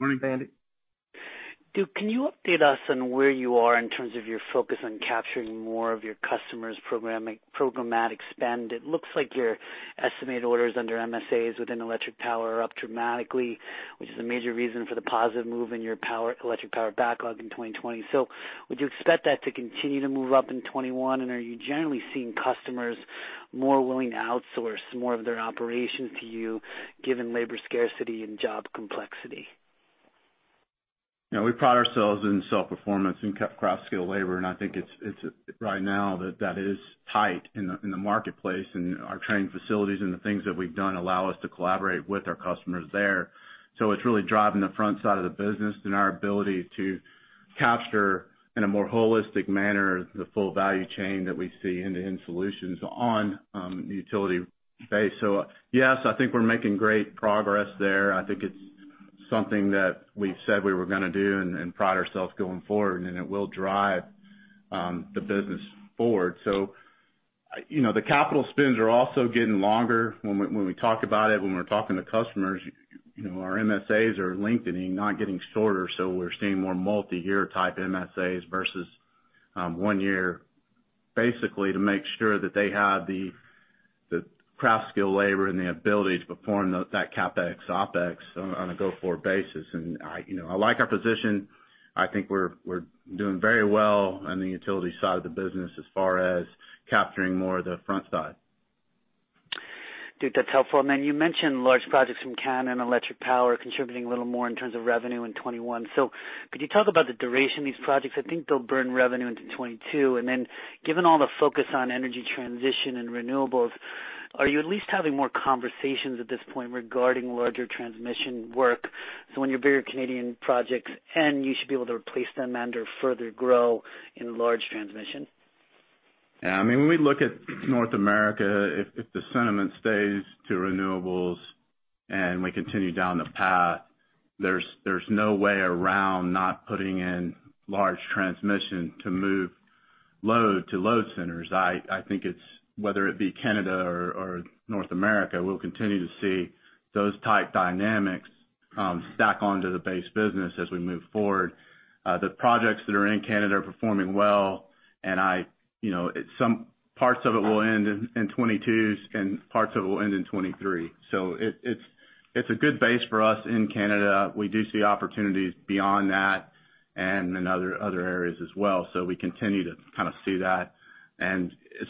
Morning, Andy. Duke, can you update us on where you are in terms of your focus on capturing more of your customers' programmatic spend? It looks like your estimated orders under MSAs within electric power are up dramatically, which is a major reason for the positive move in your Electric Power backlog in 2020. Would you expect that to continue to move up in 2021? Are you generally seeing customers more willing to outsource more of their operations to you given labor scarcity and job complexity? Yeah. We pride ourselves in self-performance and craft-skilled labor. I think it's right now that that is tight in the marketplace. Our training facilities and the things that we've done allow us to collaborate with our customers there. It's really driving the front side of the business and our ability to capture in a more holistic manner the full value chain that we see in the end solutions on the utility base. Yes, I think we're making great progress there. I think it's something that we've said we were going to do and pride ourselves going forward, and it will drive the business forward. The capital spends are also getting longer. When we talk about it, when we're talking to customers, our MSAs are lengthening, not getting shorter. We're seeing more multi-year type MSAs versus one-year, basically to make sure that they have the craft skill labor and the ability to perform that CapEx, OpEx on a go-forward basis. I like our position. I think we're doing very well on the utility side of the business as far as capturing more of the front side. Duke, that's helpful. You mentioned large projects from Canada and Electric Power contributing a little more in terms of revenue in 2021. Could you talk about the duration of these projects? I think they'll burn revenue into 2022. Given all the focus on energy transition and renewables, are you at least having more conversations at this point regarding larger transmission work? When your bigger Canadian projects end, you should be able to replace them and/or further grow in large transmission. Yeah. I mean, when we look at North America, if the sentiment stays to renewables and we continue down the path, there's no way around not putting in large transmission to move load to load centers. I think it's whether it be Canada or North America, we'll continue to see those type dynamics stack onto the base business as we move forward. The projects that are in Canada are performing well. Some parts of it will end in 2022, and parts of it will end in 2023. It's a good base for us in Canada. We do see opportunities beyond that and in other areas as well. We continue to kind of see that. As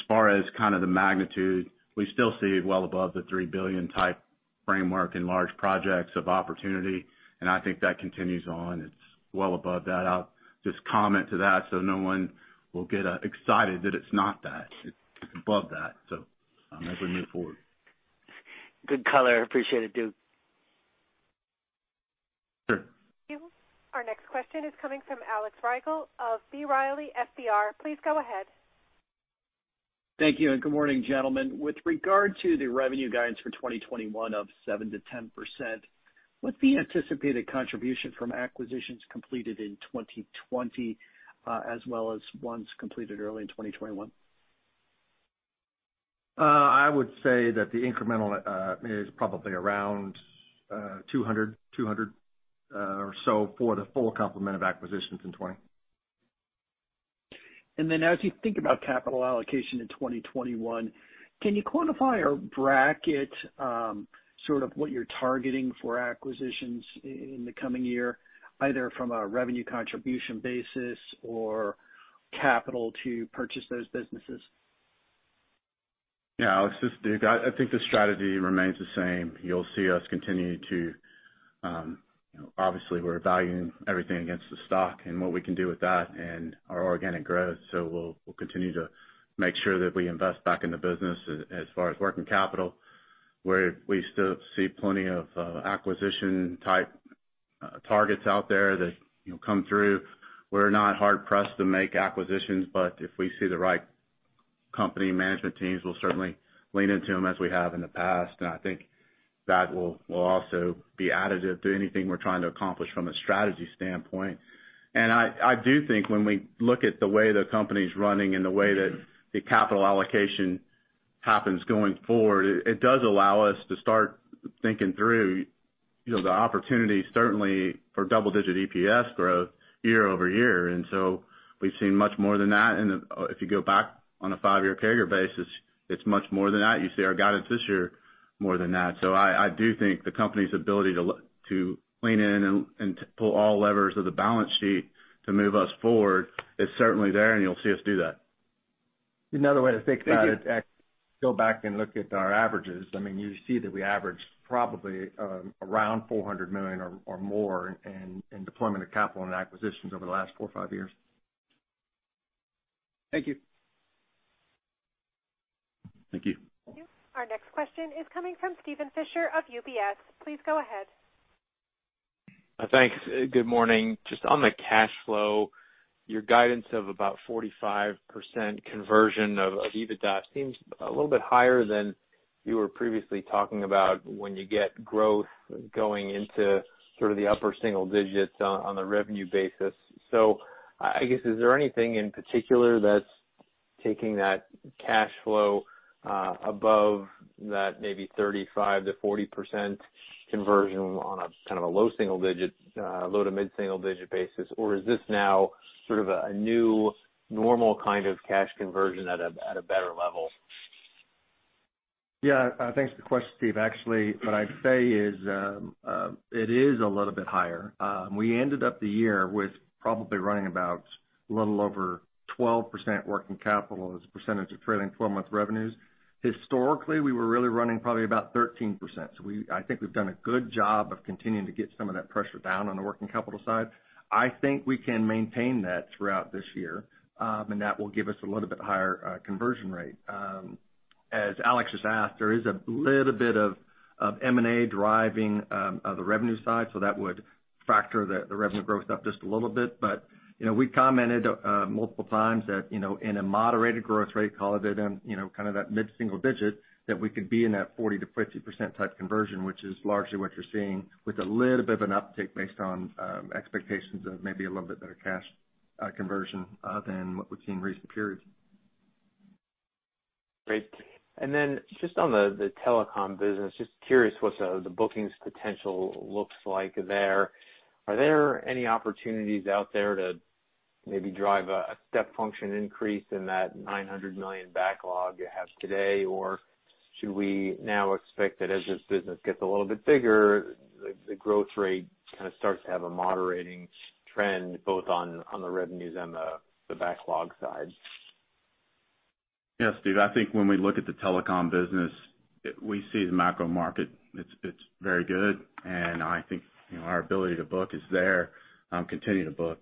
far as kind of the magnitude, we still see well above the $3 billion type framework and large projects of opportunity. I think that continues on. It's well above that. I'll just comment to that so no one will get excited that it's not that. It's above that. As we move forward. Good color. Appreciate it, Duke. Sure. Thank you. Our next question is coming from Alex Rygel of B. Riley FBR. Please go ahead. Thank you. Good morning, gentlemen. With regard to the revenue guidance for 2021 of 7-10%, what's the anticipated contribution from acquisitions completed in 2020 as well as ones completed early in 2021? I would say that the incremental is probably around $200 million, $200 million or so for the full complement of acquisitions in 2020. As you think about capital allocation in 2021, can you quantify or bracket sort of what you're targeting for acquisitions in the coming year, either from a revenue contribution basis or capital to purchase those businesses? Yeah. I think the strategy remains the same. You'll see us continue to obviously, we're valuing everything against the stock and what we can do with that and our organic growth. We'll continue to make sure that we invest back in the business as far as working capital. We still see plenty of acquisition type targets out there that come through. We're not hard-pressed to make acquisitions, but if we see the right company management teams, we'll certainly lean into them as we have in the past. I think that will also be additive to anything we're trying to accomplish from a strategy standpoint. I do think when we look at the way the company's running and the way that the capital allocation happens going forward, it does allow us to start thinking through the opportunity certainly for double-digit EPS growth year-over-year. We have seen much more than that. If you go back on a five-year CAGR basis, it is much more than that. You see our guidance this year is more than that. I do think the company's ability to lean in and pull all levers of the balance sheet to move us forward is certainly there, and you will see us do that. Another way to think about it, go back and look at our averages. I mean, you see that we averaged probably around $400 million or more in deployment of capital and acquisitions over the last four or five years. Thank you. Thank you. Thank you. Our next question is coming from Steven Fisher of UBS. Please go ahead. Thanks. Good morning. Just on the cash flow, your guidance of about 45% conversion of EBITDA seems a little bit higher than you were previously talking about when you get growth going into sort of the upper single digits on the revenue basis. I guess, is there anything in particular that's taking that cash flow above that maybe 35-40% conversion on a kind of a low single digit, low to mid single digit basis? Or is this now sort of a new normal kind of cash conversion at a better level? Yeah. Thanks for the question, Steve. Actually, what I'd say is it is a little bit higher. We ended up the year with probably running about a little over 12% working capital as a percentage of trailing 12-month revenues. Historically, we were really running probably about 13%. I think we've done a good job of continuing to get some of that pressure down on the working capital side. I think we can maintain that throughout this year, and that will give us a little bit higher conversion rate. As Alex just asked, there is a little bit of M&A driving the revenue side, so that would factor the revenue growth up just a little bit. We commented multiple times that in a moderated growth rate, call it kind of that mid single digit, that we could be in that 40-50% type conversion, which is largely what you're seeing with a little bit of an uptick based on expectations of maybe a little bit better cash conversion than what we've seen in recent periods. Great. Just on the telecom business, just curious what the bookings potential looks like there. Are there any opportunities out there to maybe drive a step function increase in that $900 million backlog you have today? Should we now expect that as this business gets a little bit bigger, the growth rate kind of starts to have a moderating trend both on the revenues and the backlog side? Yeah, Steve. I think when we look at the telecom business, we see the macro market. It's very good. I think our ability to book is there. Continue to book.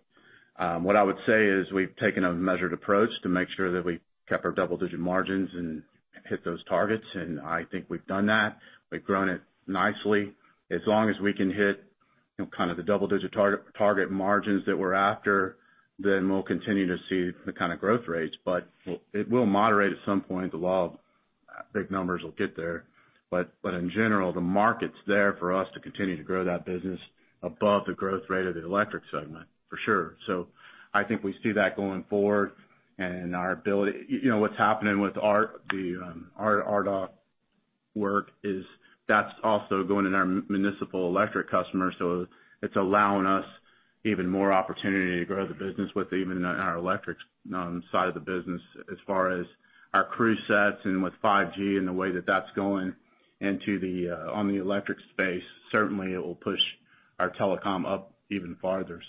What I would say is we've taken a measured approach to make sure that we kept our double-digit margins and hit those targets. I think we've done that. We've grown it nicely. As long as we can hit kind of the double-digit target margins that we're after, then we'll continue to see the kind of growth rates. It will moderate at some point. The law of big numbers will get there. In general, the market's there for us to continue to grow that business above the growth rate of the electric segment, for sure. I think we see that going forward. What's happening with our RDOC work is that's also going in our municipal electric customers. It's allowing us even more opportunity to grow the business with even our electric side of the business. As far as our crew sets and with 5G and the way that that's going on the electric space, certainly it will push our telecom up even farther.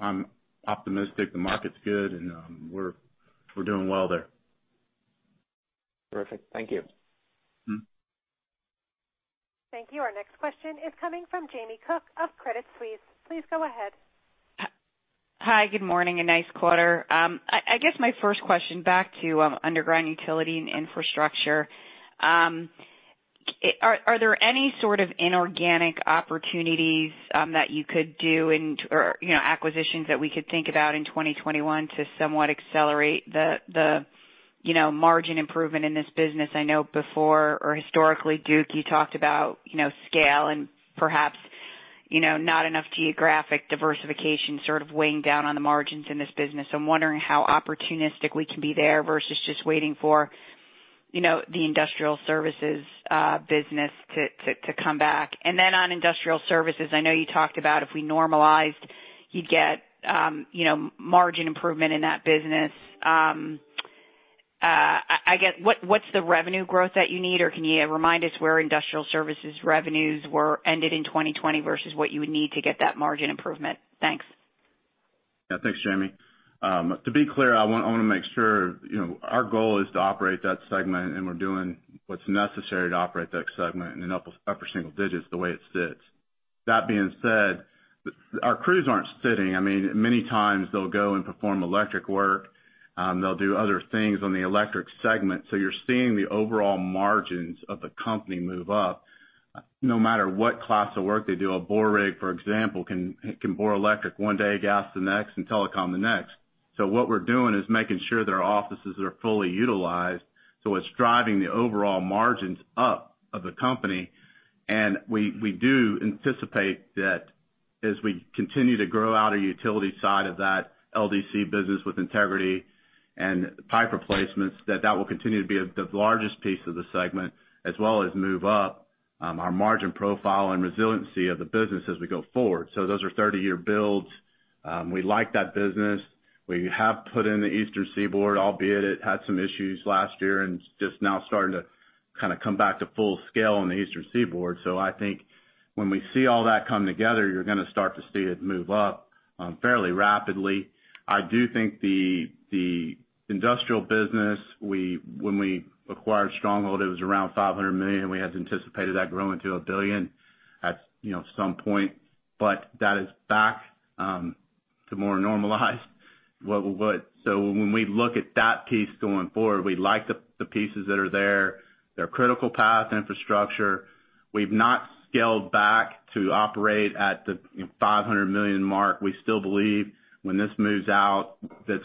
I'm optimistic the market's good, and we're doing well there. Terrific. Thank you. Thank you. Our next question is coming from Jamie Cook of Credit Suisse. Please go ahead. Hi. Good morning and nice quarter. I guess my first question back to underground utility and infrastructure. Are there any sort of inorganic opportunities that you could do or acquisitions that we could think about in 2021 to somewhat accelerate the margin improvement in this business? I know before or historically, Duke, you talked about scale and perhaps not enough geographic diversification sort of weighing down on the margins in this business. I'm wondering how opportunistic we can be there versus just waiting for the industrial services business to come back. On industrial services, I know you talked about if we normalized, you'd get margin improvement in that business. I guess, what's the revenue growth that you need? Or can you remind us where industrial services revenues were ended in 2020 versus what you would need to get that margin improvement? Thanks. Yeah. Thanks, Jamie. To be clear, I want to make sure our goal is to operate that segment, and we're doing what's necessary to operate that segment in upper single digits the way it sits. That being said, our crews aren't sitting. I mean, many times they'll go and perform electric work. They'll do other things on the electric segment. You're seeing the overall margins of the company move up. No matter what class of work they do, a borerig, for example, can bore electric one day, gas the next, and telecom the next. What we're doing is making sure that our offices are fully utilized. It's driving the overall margins up of the company. We do anticipate that as we continue to grow out of utility side of that LDC business with integrity and pipe replacements, that that will continue to be the largest piece of the segment as well as move up our margin profile and resiliency of the business as we go forward. Those are 30-year builds. We like that business. We have put in the Eastern Seaboard, albeit it had some issues last year and just now starting to kind of come back to full scale on the Eastern Seaboard. I think when we see all that come together, you're going to start to see it move up fairly rapidly. I do think the industrial business, when we acquired Stronghold, it was around $500 million. We had anticipated that growing to $1 billion at some point, but that is back to more normalized. When we look at that piece going forward, we like the pieces that are there. They're critical path infrastructure. We've not scaled back to operate at the $500 million mark. We still believe when this moves out that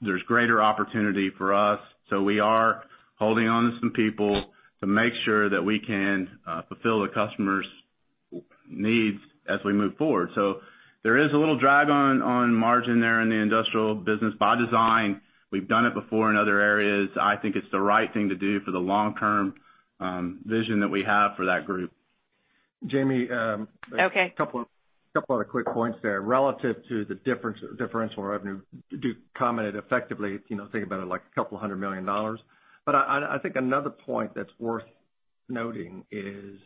there's greater opportunity for us. We are holding on to some people to make sure that we can fulfill the customer's needs as we move forward. There is a little drag on margin there in the industrial business by design. We've done it before in other areas. I think it's the right thing to do for the long-term vision that we have for that group. Jamie. Okay. A couple of other quick points there. Relative to the differential revenue, Duke commented effectively, thinking about it like a couple of hundred million dollars. I think another point that's worth noting is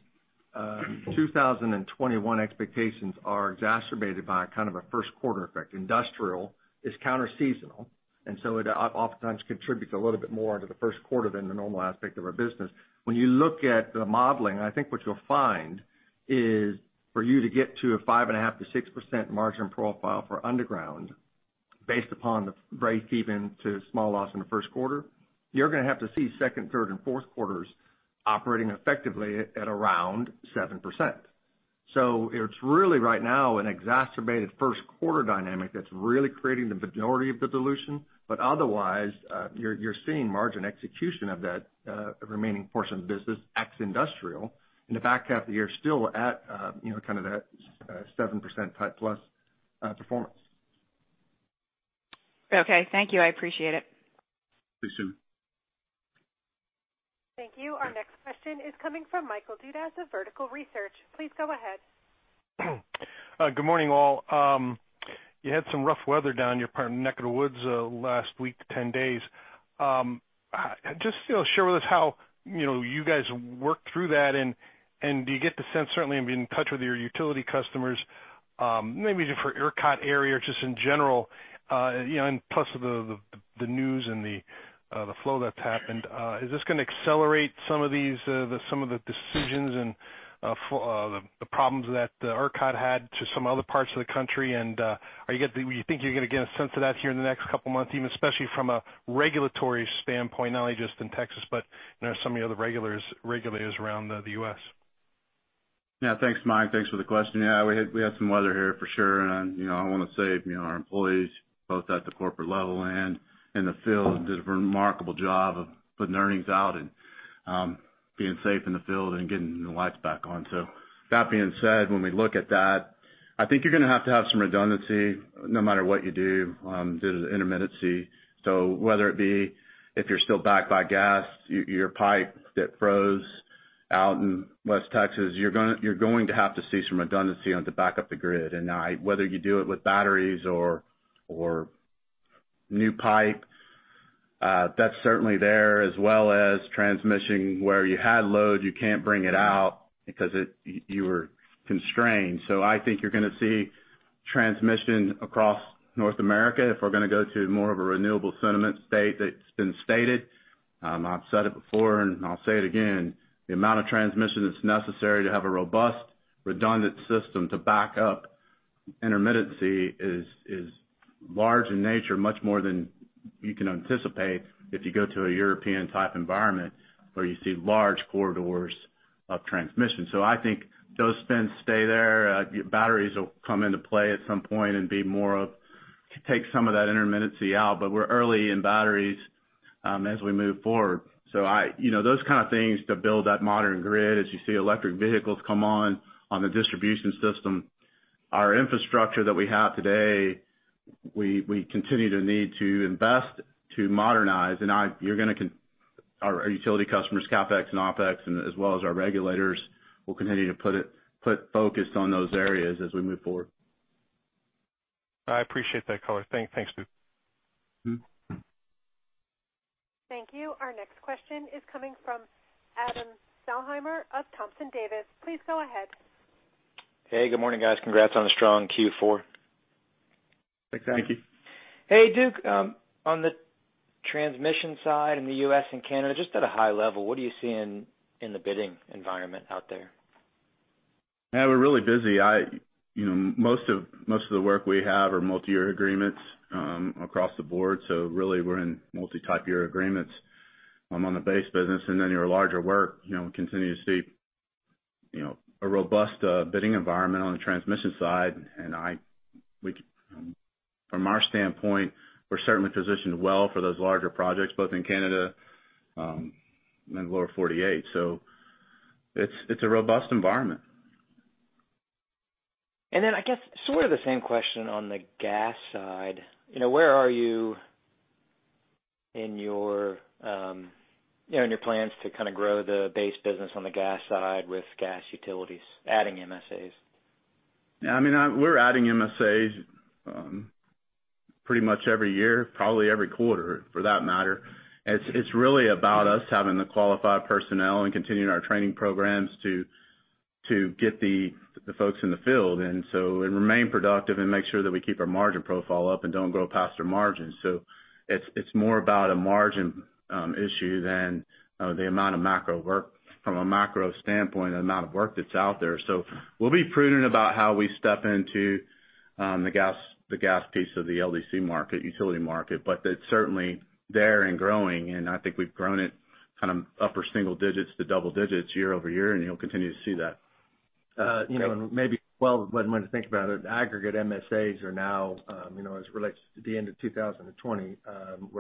2021 expectations are exacerbated by kind of a first quarter effect. Industrial is counter-seasonal, and so it oftentimes contributes a little bit more to the first quarter than the normal aspect of our business. When you look at the modeling, I think what you'll find is for you to get to a 5.5-6% margin profile for underground based upon the break-even to small loss in the first quarter, you're going to have to see second, third, and fourth quarters operating effectively at around 7%. It is really right now an exacerbated first quarter dynamic that's really creating the majority of the dilution. Otherwise, you're seeing margin execution of that remaining portion of the business ex-industrial. The back half of the year is still at kind of that 7% type plus performance. Okay. Thank you. I appreciate it. Appreciate it. Thank you. Our next question is coming from Mike Dudas of Vertical Research. Please go ahead. Good morning, all. You had some rough weather down your part neck of woods last week to 10 days. Just share with us how you guys worked through that, and do you get the sense certainly in being in touch with your utility customers, maybe for ERCOT area or just in general, plus the news and the flow that's happened? Is this going to accelerate some of the decisions and the problems that ERCOT had to some other parts of the country? Do you think you're going to get a sense of that here in the next couple of months, especially from a regulatory standpoint, not only just in Texas, but some of the other regulators around the U.S.? Yeah. Thanks, Mike. Thanks for the question. Yeah. We had some weather here for sure. I want to say our employees, both at the corporate level and in the field, did a remarkable job of putting earnings out and being safe in the field and getting the lights back on. That being said, when we look at that, I think you're going to have to have some redundancy no matter what you do, intermittency. Whether it be if you're still backed by gas, your pipe that froze out in West Texas, you're going to have to see some redundancy to back up the grid. Whether you do it with batteries or new pipe, that's certainly there, as well as transmission where you had load, you can't bring it out because you were constrained. I think you're going to see transmission across North America if we're going to go to more of a renewable sentiment state that's been stated. I've said it before, and I'll say it again. The amount of transmission that's necessary to have a robust redundant system to back up intermittency is large in nature, much more than you can anticipate if you go to a European-type environment where you see large corridors of transmission. I think those spins stay there. Batteries will come into play at some point and be more of take some of that intermittency out. We're early in batteries as we move forward. Those kind of things to build that modern grid as you see electric vehicles come on the distribution system. Our infrastructure that we have today, we continue to need to invest to modernize. You're going to our utility customers, CapEx and OpEx, as well as our regulators, will continue to put focus on those areas as we move forward. I appreciate that, color. Thanks, Duke. Thank you. Our next question is coming from Adam Thalhimer of Thompson Davis. Please go ahead. Hey, good morning, guys. Congrats on a strong Q4. Thank you. Hey, Duke. On the transmission side in the U.S. and Canada, just at a high level, what are you seeing in the bidding environment out there? Yeah. We're really busy. Most of the work we have are multi-year agreements across the board. So really, we're in multi-type year agreements on the base business. And then your larger work, we continue to see a robust bidding environment on the transmission side. From our standpoint, we're certainly positioned well for those larger projects, both in Canada and Lower 48. It's a robust environment. I guess sort of the same question on the gas side. Where are you in your plans to kind of grow the base business on the gas side with gas utilities, adding MSAs? Yeah. I mean, we're adding MSAs pretty much every year, probably every quarter for that matter. It's really about us having the qualified personnel and continuing our training programs to get the folks in the field. And you remain productive and make sure that we keep our margin profile up and don't grow past our margins. It's more about a margin issue than the amount of macro work. From a macro standpoint, the amount of work that's out there. We'll be prudent about how we step into the gas piece of the LDC market, utility market. It's certainly there and growing. I think we've grown it kind of upper single digits to double digits year-over-year, and you'll continue to see that. Maybe, when I think about it, aggregate MSAs are now, as it relates to the end of 2020,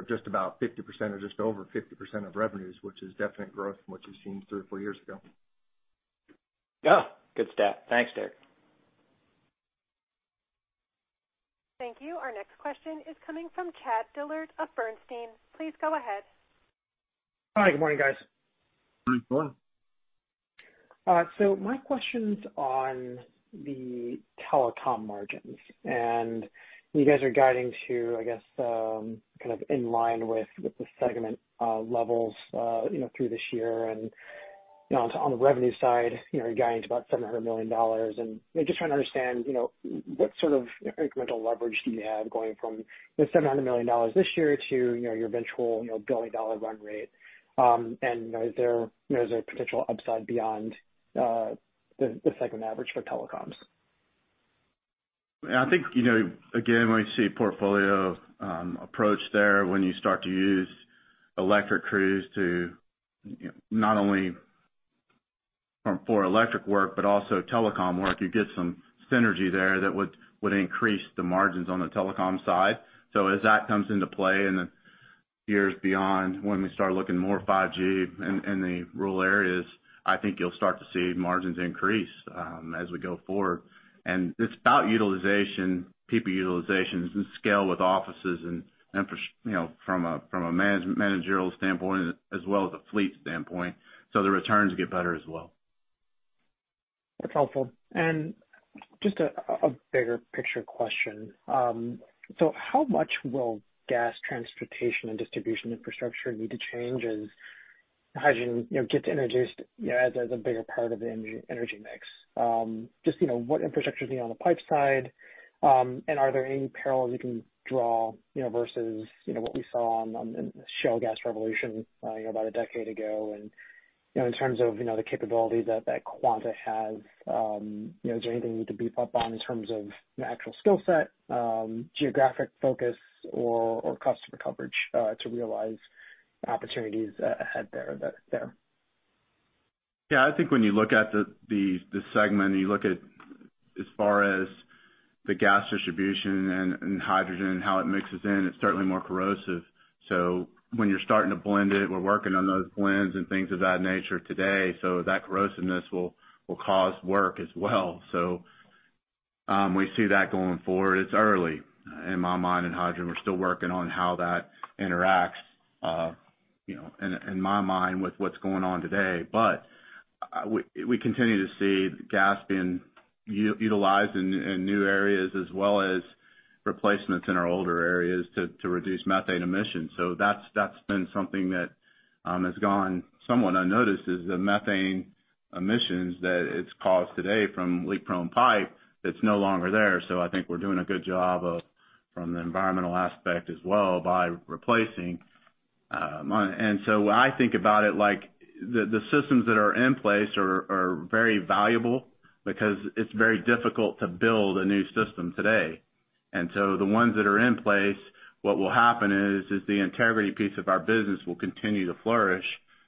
just about 50% or just over 50% of revenues, which is definite growth from what you've seen three or four years ago. Yeah. Good stat. Thanks, Derrick. Thank you. Our next question is coming from Chad Dillard of Bernstein. Please go ahead. Hi. Good morning, guys. Good morning. My question's on the telecom margins. You guys are guiding to, I guess, kind of in line with the segment levels through this year. On the revenue side, you're guiding to about $700 million. I'm just trying to understand what sort of incremental leverage you have going from $700 million this year to your eventual billion-dollar run rate. Is there a potential upside beyond the segment average for telecoms? Yeah. I think, again, when you see a portfolio approach there, when you start to use electric crews to not only for electric work, but also telecom work, you get some synergy there that would increase the margins on the telecom side. As that comes into play in the years beyond, when we start looking more 5G in the rural areas, I think you'll start to see margins increase as we go forward. It's about utilization, people utilizations, and scale with offices from a managerial standpoint as well as a fleet standpoint. The returns get better as well. That's helpful. Just a bigger picture question. How much will gas transportation and distribution infrastructure need to change as hydrogen gets introduced as a bigger part of the energy mix? What infrastructure is needed on the pipe side? Are there any parallels you can draw versus what we saw in the shale gas revolution about a decade ago? In terms of the capability that Quanta has, is there anything you need to beef up on in terms of actual skill set, geographic focus, or customer coverage to realize opportunities ahead there? Yeah. I think when you look at the segment, you look at as far as the gas distribution and hydrogen and how it mixes in, it's certainly more corrosive. When you're starting to blend it, we're working on those blends and things of that nature today. That corrosiveness will cause work as well. We see that going forward. It's early in my mind in hydrogen. We're still working on how that interacts in my mind with what's going on today. We continue to see gas being utilized in new areas as well as replacements in our older areas to reduce methane emissions. That's been something that has gone somewhat unnoticed is the methane emissions that it's caused today from leak-prone pipe that's no longer there. I think we're doing a good job from the environmental aspect as well by replacing. I think about it like the systems that are in place are very valuable because it's very difficult to build a new system today. The ones that are in place, what will happen is the integrity piece of our business will continue to flourish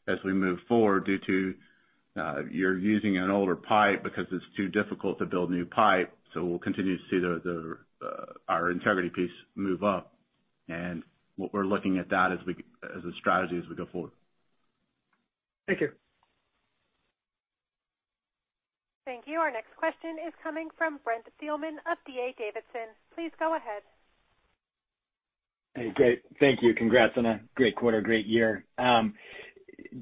as we move forward due to you're using an older pipe because it's too difficult to build new pipe. We'll continue to see our integrity piece move up. We're looking at that as a strategy as we go forward. Thank you. Thank you. Our next question is coming from Brent Thielman of D.A. Davidson. Please go ahead. Hey, great. Thank you. Congrats on a great quarter, great year.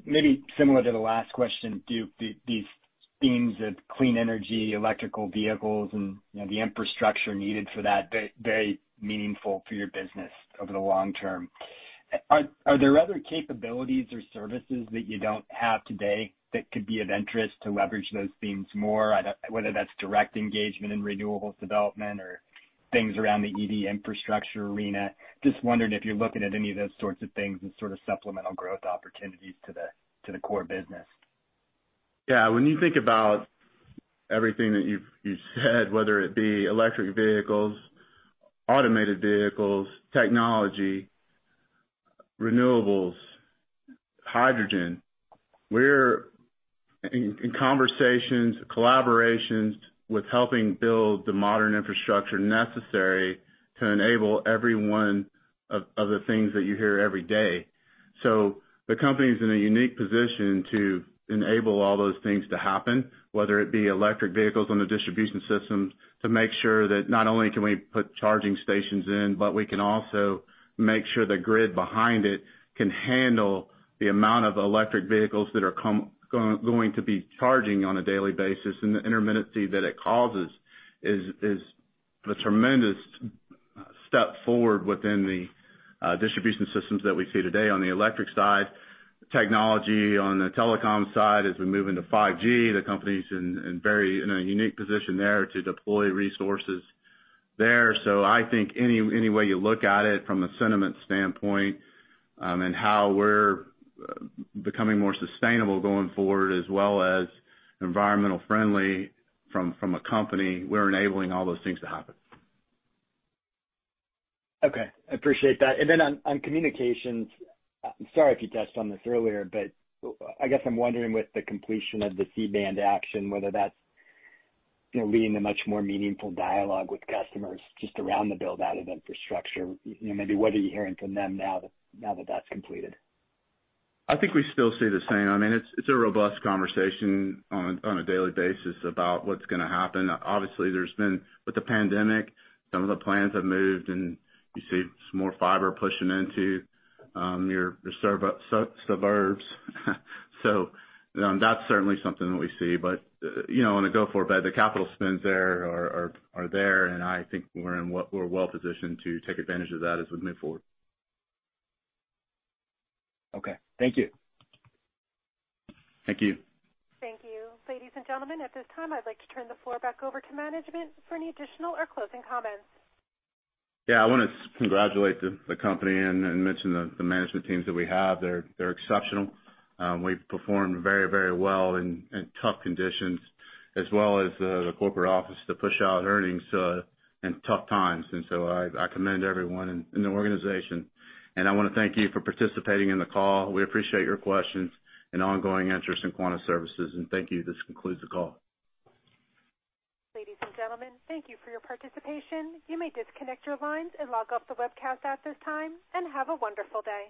Maybe similar to the last question, Duke, these themes of clean energy, electrical vehicles, and the infrastructure needed for that, very meaningful for your business over the long term. Are there other capabilities or services that you do not have today that could be of interest to leverage those themes more, whether that is direct engagement in renewables development or things around the EV infrastructure arena? Just wondering if you are looking at any of those sorts of things as sort of supplemental growth opportunities to the core business. Yeah. When you think about everything that you've said, whether it be electric vehicles, automated vehicles, technology, renewables, hydrogen, we're in conversations, collaborations with helping build the modern infrastructure necessary to enable every one of the things that you hear every day. The company is in a unique position to enable all those things to happen, whether it be electric vehicles on the distribution systems, to make sure that not only can we put charging stations in, but we can also make sure the grid behind it can handle the amount of electric vehicles that are going to be charging on a daily basis. The intermittency that it causes is a tremendous step forward within the distribution systems that we see today on the electric side. Technology on the telecom side as we move into 5G, the company's in a unique position there to deploy resources there. I think any way you look at it from a sentiment standpoint and how we're becoming more sustainable going forward, as well as environmental-friendly from a company, we're enabling all those things to happen. Okay. I appreciate that. On communications, I'm sorry if you touched on this earlier, but I guess I'm wondering with the completion of the C-band action, whether that's leading to much more meaningful dialogue with customers just around the build-out of infrastructure. Maybe what are you hearing from them now that that's completed? I think we still see the same. I mean, it's a robust conversation on a daily basis about what's going to happen. Obviously, with the pandemic, some of the plans have moved, and you see some more fiber pushing into your suburbs. That is certainly something that we see. On a go-for-bid, the capital spends there are there. I think we're well-positioned to take advantage of that as we move forward. Okay. Thank you. Thank you. Thank you. Ladies and gentlemen, at this time, I'd like to turn the floor back over to management for any additional or closing comments. Yeah. I want to congratulate the company and mention the management teams that we have. They're exceptional. We've performed very, very well in tough conditions, as well as the corporate office to push out earnings in tough times. I commend everyone in the organization. I want to thank you for participating in the call. We appreciate your questions and ongoing interest in Quanta Services. Thank you. This concludes the call. Ladies and gentlemen, thank you for your participation. You may disconnect your lines and log off the webcast at this time. Have a wonderful day.